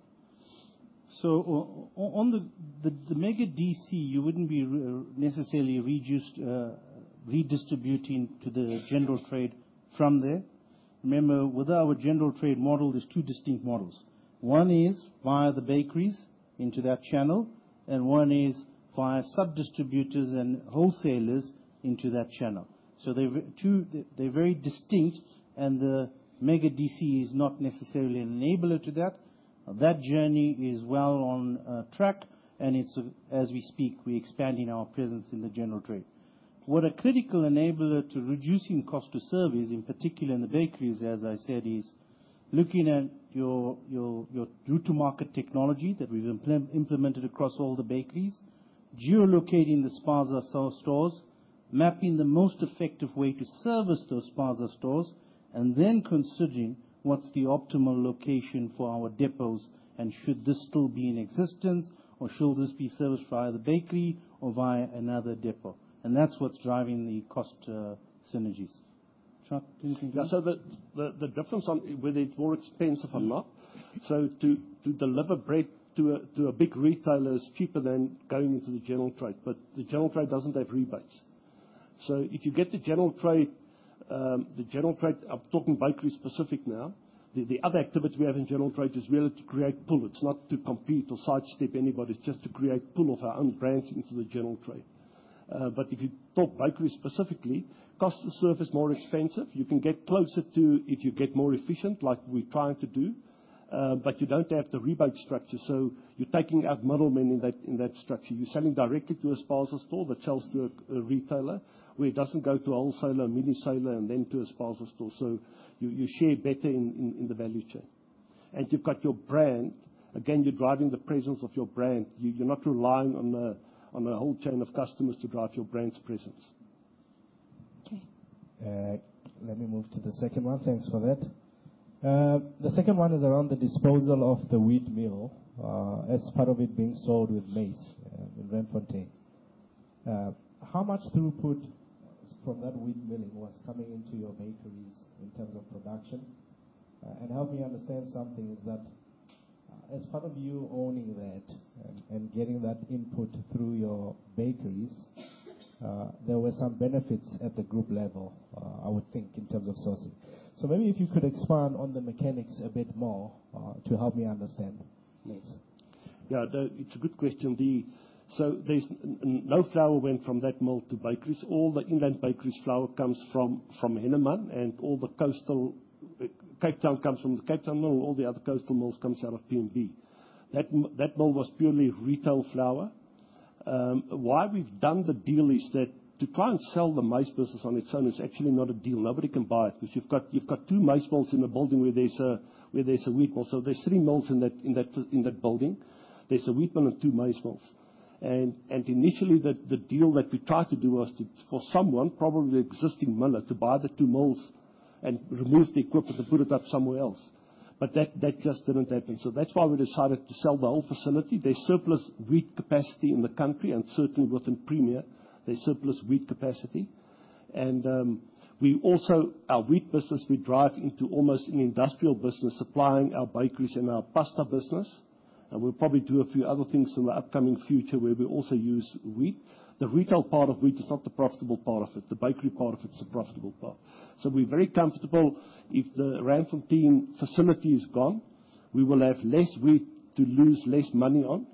On the mega DC, you wouldn't be necessarily redistributing to the general trade from there. Remember, with our general trade model, there are two distinct models. One is via the bakeries into that channel, and one is via sub-distributors and wholesalers into that channel. They are very distinct, and the mega DC is not necessarily an enabler to that. That journey is well on track, and as we speak, we're expanding our presence in the general trade. What a critical enabler to reducing cost to service in particular in the bakeries, as I said, is looking at your go-to-market technology that we've implemented across all the bakeries, geolocating the spas or stores, mapping the most effective way to service those spas or stores, and then considering what's the optimal location for our depots. Should this still be in existence, or should this be serviced via the bakery or via another depot? That is what's driving the cost synergies. Tjaart, do you think? Yeah. The difference on whether it's more expensive or not, to deliver bread to a big retailer is cheaper than going into the general trade. The general trade does not have rebates. If you get the general trade, the general trade, I'm talking bakery specific now, the other activity we have in general trade is really to create pull. It's not to compete or sidestep anybody. It's just to create pull of our own brands into the general trade. If you talk bakery specifically, cost to service is more expensive. You can get closer to if you get more efficient, like we're trying to do, but you don't have the rebate structure. You're taking out middlemen in that structure. You're selling directly to a spaza store that sells to a retailer where it doesn't go to a wholesaler, mini-saler, and then to a spaza store. You share better in the value chain. You've got your brand. Again, you're driving the presence of your brand. You're not relying on a whole chain of customers to drive your brand's presence. Okay. Let me move to the second one. Thanks for that. The second one is around the disposal of the wheat mill as part of it being sold with maize in Randfontein. How much throughput from that wheat milling was coming into your bakeries in terms of production? Help me understand something. Is that as part of you owning that and getting that input through your bakeries, there were some benefits at the group level, I would think, in terms of sourcing. Maybe if you could expand on the mechanics a bit more to help me understand. Maize. Yeah, it's a good question. No flour went from that mill to bakeries. All the inland bakeries' flour comes from Hennemann, and all the coastal Cape Town comes from the Cape Town mill. All the other coastal mills come out of P&B. That mill was purely retail flour. Why we've done the deal is that to try and sell the maize business on its own is actually not a deal. Nobody can buy it because you've got two maize mills in a building where there's a wheat mill. So there's three mills in that building. There's a wheat mill and two maize mills. And initially, the deal that we tried to do was for someone, probably an existing miller, to buy the two mills and remove the equipment and put it up somewhere else. But that just didn't happen. That's why we decided to sell the whole facility. There's surplus wheat capacity in the country and it certainly wasn't Premier. There's surplus wheat capacity. And our wheat business, we drive into almost an industrial business supplying our bakeries and our pasta business. We will probably do a few other things in the upcoming future where we also use wheat. The retail part of wheat is not the profitable part of it. The bakery part of it is the profitable part. We are very comfortable if the Randfontein facility is gone, we will have less wheat to lose less money on.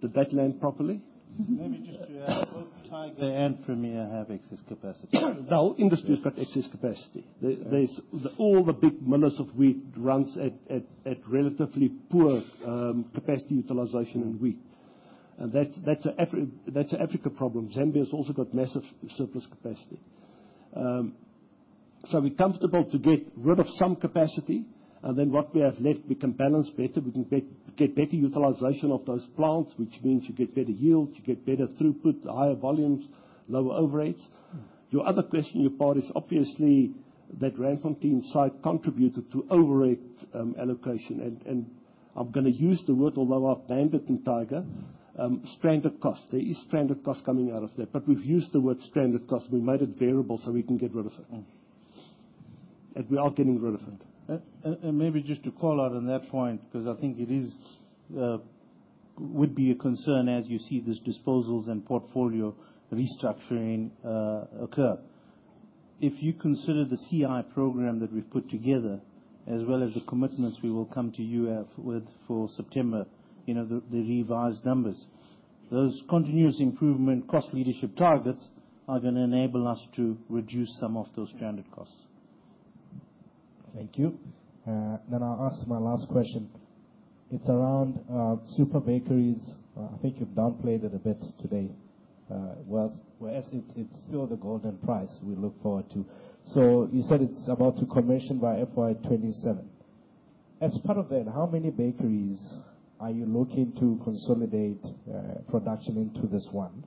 Did that land properly? Maybe just to add, both Tiger and Premier have excess capacity. The whole industry has got excess capacity. All the big millers of wheat run at relatively poor capacity utilization in wheat. That is an Africa problem. Zambia has also got massive surplus capacity. We are comfortable to get rid of some capacity, and then what we have left, we can balance better. We can get better utilization of those plants, which means you get better yield, you get better throughput, higher volumes, lower overheads. Your other question, your part is obviously that Randfontein site contributed to overhead allocation. I'm going to use the word, although I've banned it in Tiger, stranded cost. There is stranded cost coming out of that. We've used the word stranded cost. We made it variable so we can get rid of it. We are getting rid of it. Maybe just to call out on that point because I think it would be a concern as you see these disposals and portfolio restructuring occur. If you consider the CI program that we've put together as well as the commitments we will come to you with for September, the revised numbers, those continuous improvement cost leadership targets are going to enable us to reduce some of those stranded costs. Thank you. I'll ask my last question. It's around super bakeries. I think you've downplayed it a bit today. It's still the golden price we look forward to. You said it's about to commission by FY 2027. As part of that, how many bakeries are you looking to consolidate production into this one?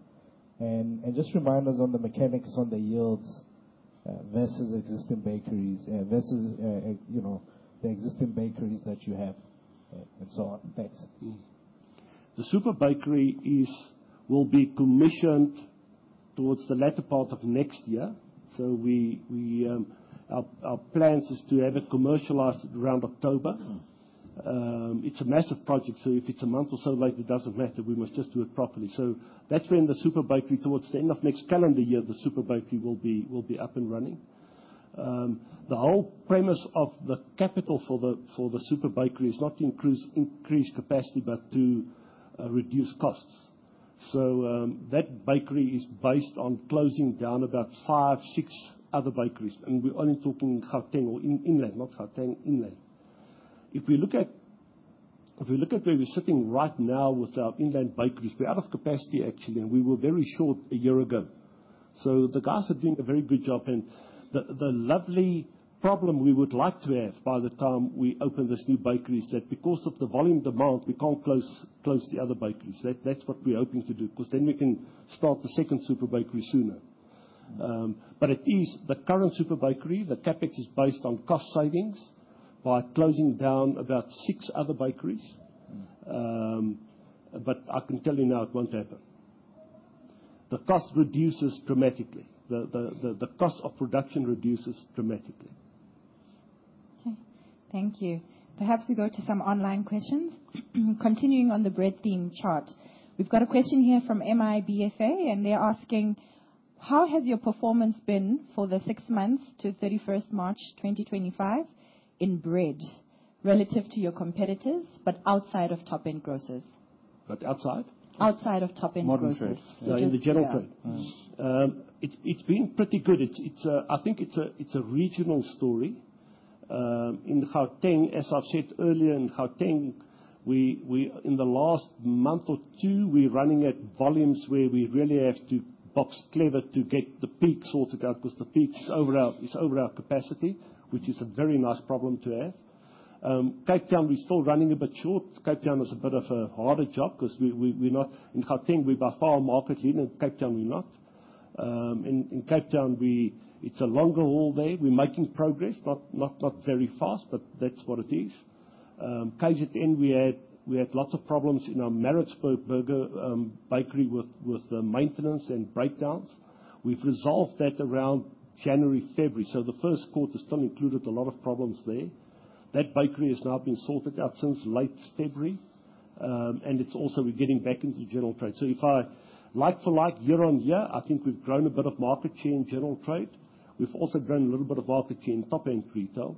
Just remind us on the mechanics on the yields versus existing bakeries, versus the existing bakeries that you have, and so on. Thanks. The super bakery will be commissioned towards the latter part of next year. Our plan is to have it commercialized around October. It's a massive project. If it's a month or so later, it doesn't matter. We must just do it properly. That's when the super bakery, towards the end of next calendar year, the super bakery will be up and running. The whole premise of the capital for the super bakery is not to increase capacity but to reduce costs. That bakery is based on closing down about five, six other bakeries. We're only talking in inland, not inland. If we look at where we're sitting right now with our inland bakeries, we're out of capacity actually, and we were very short a year ago. The guys are doing a very good job. The lovely problem we would like to have by the time we open this new bakery is that because of the volume demand, we can't close the other bakeries. That's what we're hoping to do because then we can start the second super bakery sooner. At least the current super bakery, the CapEx is based on cost savings by closing down about six other bakeries. I can tell you now it won't happen. The cost reduces dramatically. The cost of production reduces dramatically. Okay. Thank you. Perhaps we go to some online questions. Continuing on the bread theme, Tjaart, we've got a question here from MIBFA, and they're asking, how has your performance been for the six months to 31 March 2025 in bread relative to your competitors but outside of top-end grocers? Outside of top-end grocers. Modern trade. In the general trade. It's been pretty good. I think it's a regional story in Gauteng, as I've said earlier, in Gauteng, in the last month or two, we're running at volumes where we really have to box clever to get the peaks all together because the peaks are over our capacity, which is a very nice problem to have. Cape Town, we're still running a bit short. Cape Town is a bit of a harder job because in Gauteng, we're by far market lead, and in Cape Town, we're not. In Cape Town, it's a longer haul there. We're making progress, not very fast, but that's what it is. KZN, we had lots of problems in our Pietermaritzburg bakery with maintenance and breakdowns. We've resolved that around January, February. The first quarter still included a lot of problems there. That bakery has now been sorted out since late February, and we're also getting back into the general trade. If I like for like, year on year, I think we've grown a bit of market share in general trade. We've also grown a little bit of market share in top-end retail.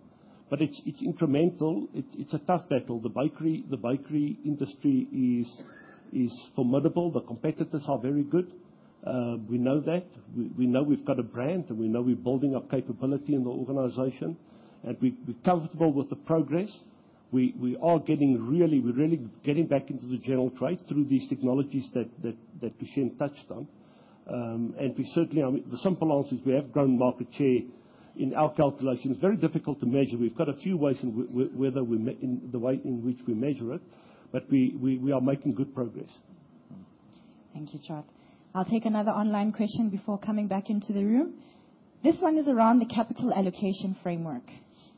It's incremental. It's a tough battle. The bakery industry is formidable. The competitors are very good. We know that. We know we've got a brand, and we know we're building up capability in the organization. We're comfortable with the progress. We are getting really back into the general trade through these technologies that Tushen touched on. Certainly, the simple answer is we have grown market share in our calculations. Very difficult to measure. We've got a few ways in the way in which we measure it, but we are making good progress. Thank you, Tjaart. I'll take another online question before coming back into the room. This one is around the capital allocation framework.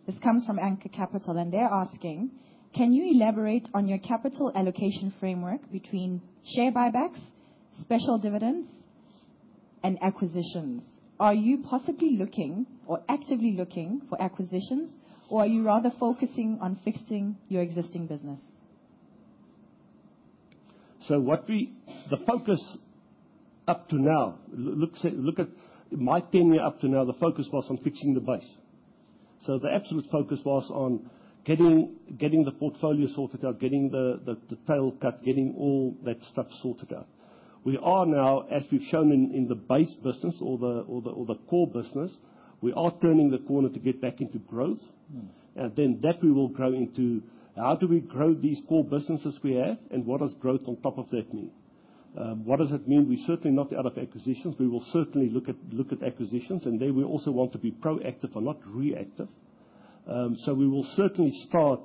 This comes from Anker Capital, and they're asking, can you elaborate on your capital allocation framework between share buybacks, special dividends, and acquisitions? Are you possibly looking or actively looking for acquisitions, or are you rather focusing on fixing your existing business? The focus up to now, look at my tenure up to now, the focus was on fixing the base. The absolute focus was on getting the portfolio sorted out, getting the tail cut, getting all that stuff sorted out. We are now, as we have shown in the base business or the core business, turning the corner to get back into growth. In that, we will grow into how do we grow these core businesses we have, and what does growth on top of that mean? What does it mean? We are certainly not out of acquisitions. We will certainly look at acquisitions. We also want to be proactive and not reactive. We will certainly start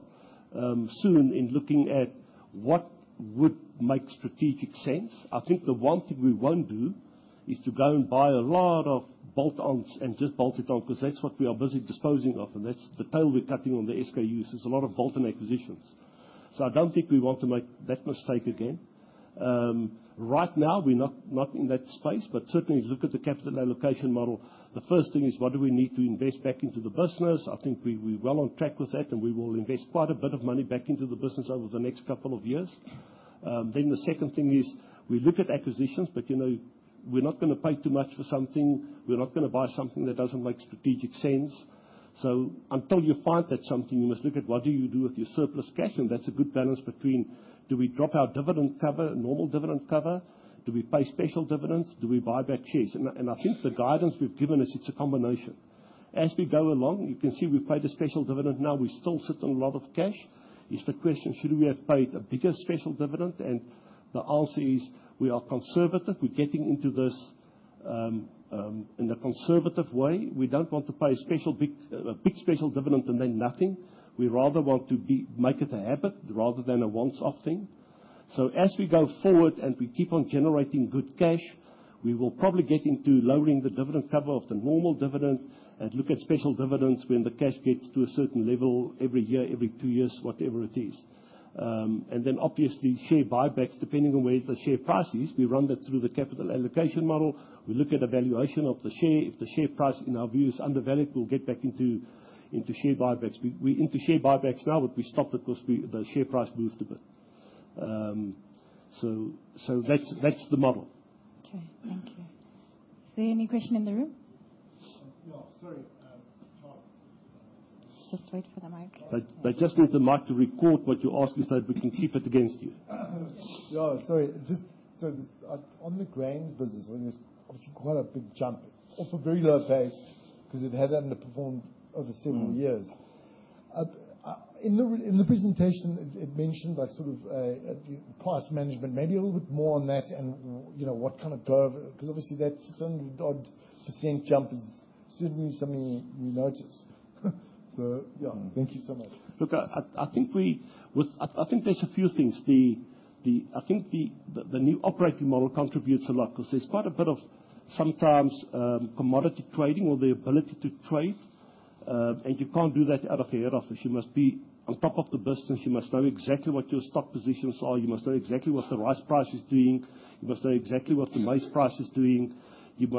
soon in looking at what would make strategic sense. I think the one thing we will not do is to go and buy a lot of bolt-ons and just bolt it on because that is what we are busy disposing of. That is the tail we are cutting on the SKUs. There's a lot of bolt-in acquisitions. I don't think we want to make that mistake again. Right now, we're not in that space, but certainly look at the capital allocation model. The first thing is, what do we need to invest back into the business? I think we're well on track with that, and we will invest quite a bit of money back into the business over the next couple of years. The second thing is we look at acquisitions, but we're not going to pay too much for something. We're not going to buy something that doesn't make strategic sense. Until you find that something, you must look at what do you do with your surplus cash. That's a good balance between do we drop our dividend cover, normal dividend cover? Do we pay special dividends? Do we buy back shares? I think the guidance we've given is it's a combination. As we go along, you can see we've paid a special dividend. Now we still sit on a lot of cash. It's the question, should we have paid a bigger special dividend? The answer is we are conservative. We're getting into this in a conservative way. We don't want to pay a big special dividend and then nothing. We rather want to make it a habit rather than a once-off thing. As we go forward and we keep on generating good cash, we will probably get into lowering the dividend cover of the normal dividend and look at special dividends when the cash gets to a certain level every year, every two years, whatever it is. Obviously, share buybacks, depending on where the share price is, we run that through the capital allocation model. We look at evaluation of the share. If the share price in our view is undervalued, we'll get back into share buybacks. We're into share buybacks now, but we stopped it because the share price moved a bit. That's the model. Okay. Thank you. Is there any question in the room? Yeah. Sorry. Tjaart. Just wait for the mic. They just need the mic to record what you asked me so that we can keep it against you. Yeah. Sorry. On the grains business, I mean, it's obviously quite a big jump off a very low base because it hadn't performed over several years. In the presentation, it mentioned sort of price management, maybe a little bit more on that and what kind of growth because obviously that 600-odd % jump is certainly something you notice. Yeah, thank you so much. Look, I think there's a few things. I think the new operating model contributes a lot because there's quite a bit of sometimes commodity trading or the ability to trade. You can't do that out of error. You must be on top of the business. You must know exactly what your stock positions are. You must know exactly what the rice price is doing. You must know exactly what the maize price is doing. If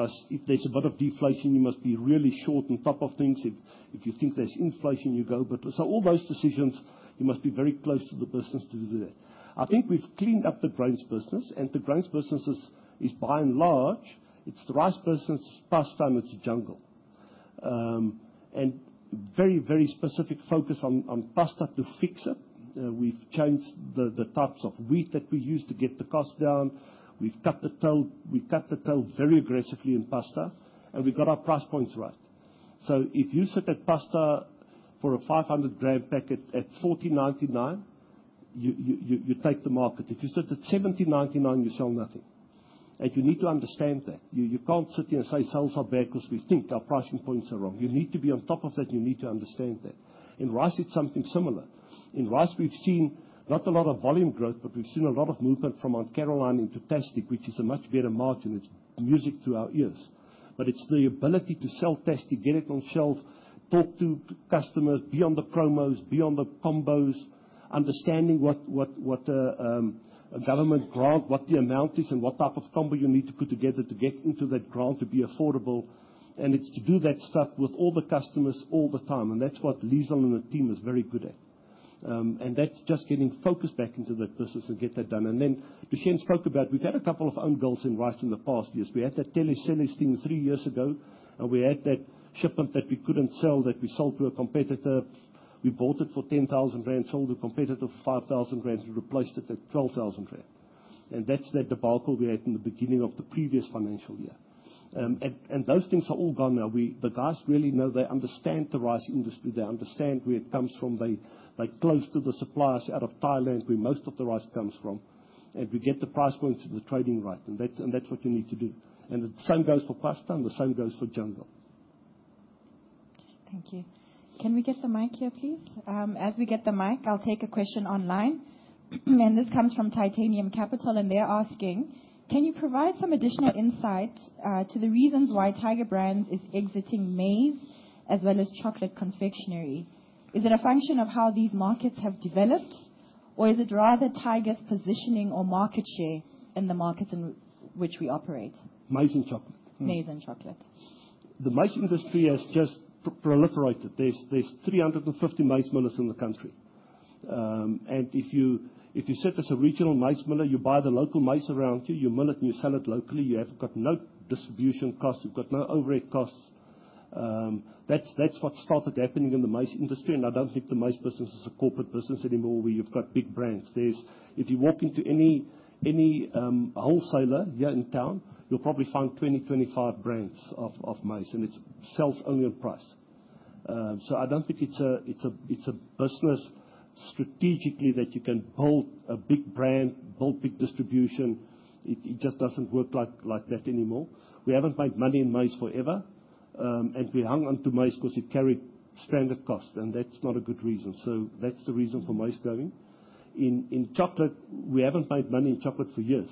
there's a bit of deflation, you must be really short on top of things. If you think there's inflation, you go. All those decisions, you must be very close to the business to do that. I think we've cleaned up the Grains business, and the Grains business is by and large. It's the rice business. Pasta, it's a Jungle. Very, very specific focus on pasta to fix it. We've changed the types of wheat that we use to get the cost down. We've cut the tail very aggressively in pasta, and we've got our price points right. If you sit at pasta for a 500-gram packet at 40.99, you take the market. If you sit at 70.99, you sell nothing. You need to understand that. You can't sit here and say, "Sales are bad because we think our pricing points are wrong." You need to be on top of that, and you need to understand that. In rice, it's something similar. In rice, we've seen not a lot of volume growth, but we've seen a lot of movement from Mount Caroline into Tastic, which is a much better margin. It's music to our ears. It's the ability to sell Tastic, get it on shelf, talk to customers, be on the promos, be on the combos, understanding what a government grant, what the amount is, and what type of combo you need to put together to get into that grant to be affordable. It's to do that stuff with all the customers all the time. That's what Liesel and the team is very good at. That's just getting focused back into that business and get that done. Kushen spoke about we've had a couple of own goals in rice in the past years. We had that telesellers thing three years ago, and we had that shipment that we couldn't sell, that we sold to a competitor. We bought it for 10,000 rand, sold to a competitor for 5,000 rand, and replaced it at 12,000 rand. That debacle we had in the beginning of the previous financial year, those things are all gone now. The guys really know, they understand the rice industry. They understand where it comes from. They are close to the suppliers out of Thailand, where most of the rice comes from. We get the price points and the trading right. That is what you need to do. The same goes for pasta. The same goes for Jungle. Okay. Thank you. Can we get the mic here, please? As we get the mic, I'll take a question online. This comes from Titanium Capital, and they're asking, can you provide some additional insight to the reasons why Tiger Brands is exiting maize as well as chocolate confectionery? Is it a function of how these markets have developed, or is it rather Tiger's positioning or market share in the markets in which we operate? Maize and chocolate. Maize and chocolate. The maize industry has just proliferated. There are 350 maize millers in the country. And if you sit as a regional maize miller, you buy the local maize around you, you mill it, and you sell it locally. You have got no distribution costs. You have got no overhead costs. That is what started happening in the maize industry. I do not think the maize business is a corporate business anymore where you have got big brands. If you walk into any wholesaler here in town, you will probably find 20-25 brands of maize, and it sells only on price. I do not think it is a business strategically that you can build a big brand, build big distribution. It just doesn't work like that anymore. We haven't made money in maize forever, and we hung on to maize because it carried standard costs, and that's not a good reason. That's the reason for maize going. In chocolate, we haven't made money in chocolate for years.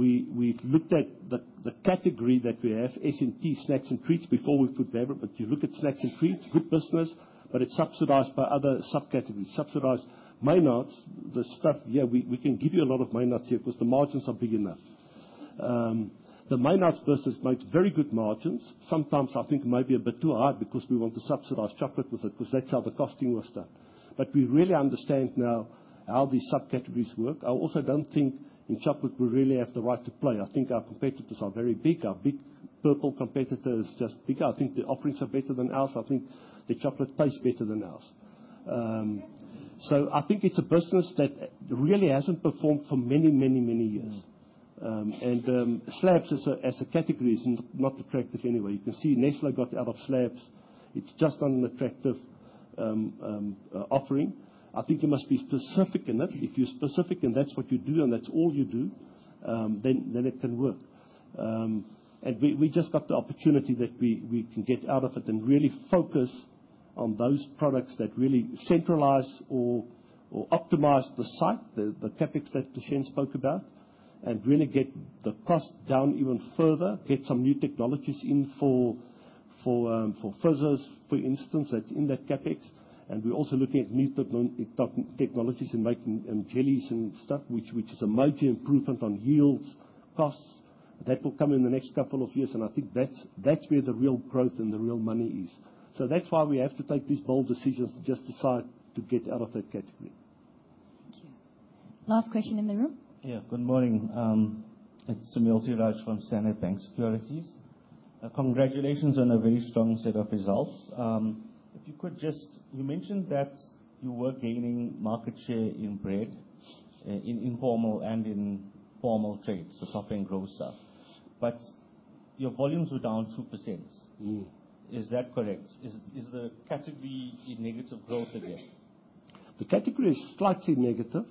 We've looked at the category that we have, S&T, snacks and treats before we put there. You look at snacks and treats, good business, but it's subsidized by other subcategories. Subsidized Maynards, the stuff, yeah, we can give you a lot of Maynards here because the margins are big enough. The Maynards business makes very good margins. Sometimes I think maybe a bit too high because we want to subsidize chocolate with it because that's how the costing was done. We really understand now how these subcategories work. I also don't think in chocolate we really have the right to play. I think our competitors are very big. Our big purple competitor is just big. I think the offerings are better than ours. I think the chocolate tastes better than ours. It is a business that really hasn't performed for many, many years. Slabs as a category is not attractive anyway. You can see Nestlé got out of slabs. It is just not an attractive offering. I think you must be specific in it. If you're specific and that's what you do and that's all you do, then it can work. We just got the opportunity that we can get out of it and really focus on those products that really centralize or optimize the site, the CapEx that Tushen spoke about, and really get the cost down even further, get some new technologies in for Fizzers, for instance, that's in that CapEx. We are also looking at new technologies in making jellies and stuff, which is a major improvement on yields, costs. That will come in the next couple of years, and I think that's where the real growth and the real money is. That is why we have to take these bold decisions and just decide to get out of that category. Thank you. Last question in the room. Yeah. Good morning. It's Samuels Hiraj from Standard Bank Securities. Congratulations on a very strong set of results. If you could just, you mentioned that you were gaining market share in bread, in informal and in formal trade, so coffee and grocer. But your volumes were down 2%. Is that correct? Is the category in negative growth again? The category is slightly negative.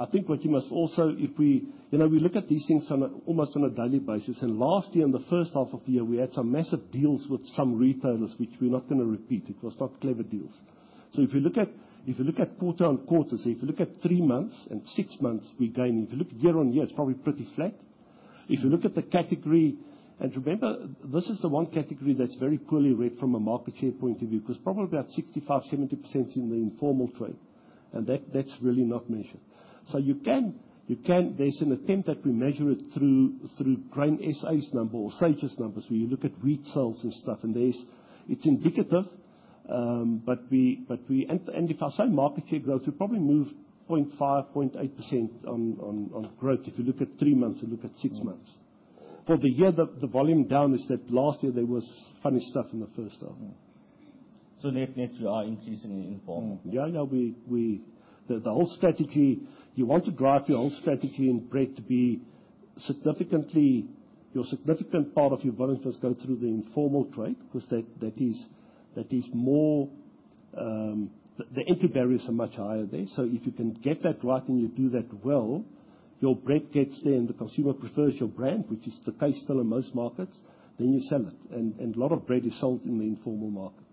I think what you must also, if we look at these things almost on a daily basis, and last year in the first half of the year, we had some massive deals with some retailers, which we're not going to repeat. It was not clever deals. If you look at quarter on quarter, if you look at three months and six months, we gain. If you look year on year, it's probably pretty flat. If you look at the category, and remember, this is the one category that's very poorly read from a market share point of view because probably about 65-70% in the informal trade, and that's really not measured. You can, there's an attempt that we measure it through Grain SA's number or SAGE's numbers where you look at wheat sales and stuff, and it's indicative. If I say market share growth, we probably move 0.5-0.8% on growth if you look at three months and look at six months. For the year, the volume down is that last year there was funny stuff in the first half. Net, we are increasing in informal. Yeah. Yeah. The whole strategy, you want to drive your whole strategy in bread to be significantly, your significant part of your volume has gone through the informal trade because that is more, the entry barriers are much higher there. If you can get that right and you do that well, your bread gets there and the consumer prefers your brand, which is the case still in most markets, you sell it. A lot of bread is sold in the informal market.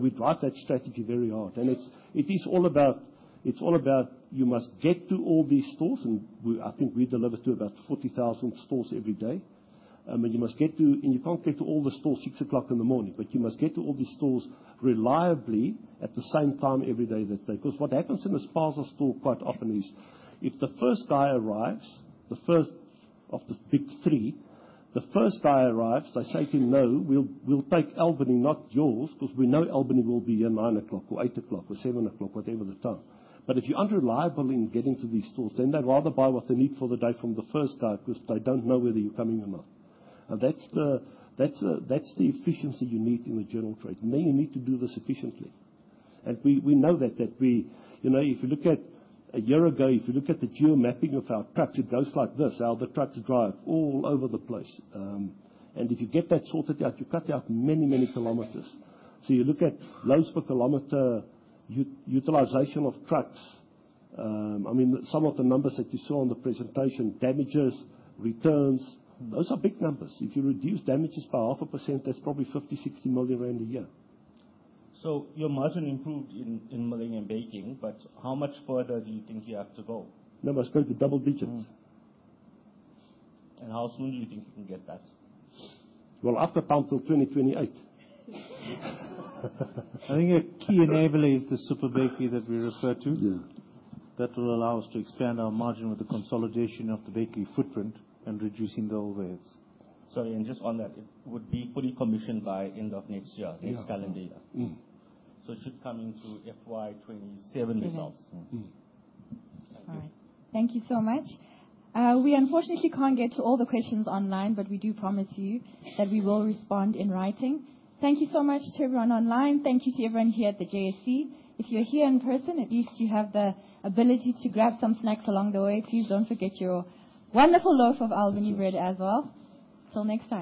We drive that strategy very hard. It is all about, you must get to all these stores, and I think we deliver to about 40,000 stores every day. You must get to, and you can't get to all the stores 6:00 A.M., but you must get to all these stores reliably at the same time every day because what happens in a sparser store quite often is if the first guy arrives, the first of the big three, the first guy arrives, they say to him, "No, we'll take Albany, not yours," because we know Albany will be here 9:00 A.M. or 8:00 A.M. or 7:00 A.M., whatever the time. If you aren't reliable in getting to these stores, then they'd rather buy what they need for the day from the first guy because they don't know whether you're coming or not. That's the efficiency you need in the general trade. You need to do this efficiently. We know that if you look at a year ago, if you look at the geomapping of our trucks, it goes like this. Our trucks drive all over the place. If you get that sorted out, you cut out many, many kilometers. You look at loads per kilometer utilization of trucks. I mean, some of the numbers that you saw on the presentation, damages, returns, those are big numbers. If you reduce damages by 0.5%, that is probably 50 million-60 million rand a year. Y our margin improved in milling and baking, but how much further do you think you have to go? I was going to double digits. How soon do you think you can get that? After pound till 2028. I think a key enabler is the super bakery that we refer to. That will allow us to expand our margin with the consolidation of the bakery footprint and reducing the overheads. Sorry. And just on that, it would be fully commissioned by end of next year, next calendar year. It should come into FY2027 results. Thank you. All right. Thank you so much. We unfortunately cannot get to all the questions online, but we do promise you that we will respond in writing. Thank you so much to everyone online. Thank you to everyone here at the JSC. If you are here in person, at least you have the ability to grab some snacks along the way. Please do not forget your wonderful loaf of Albany bread as well. Till next time.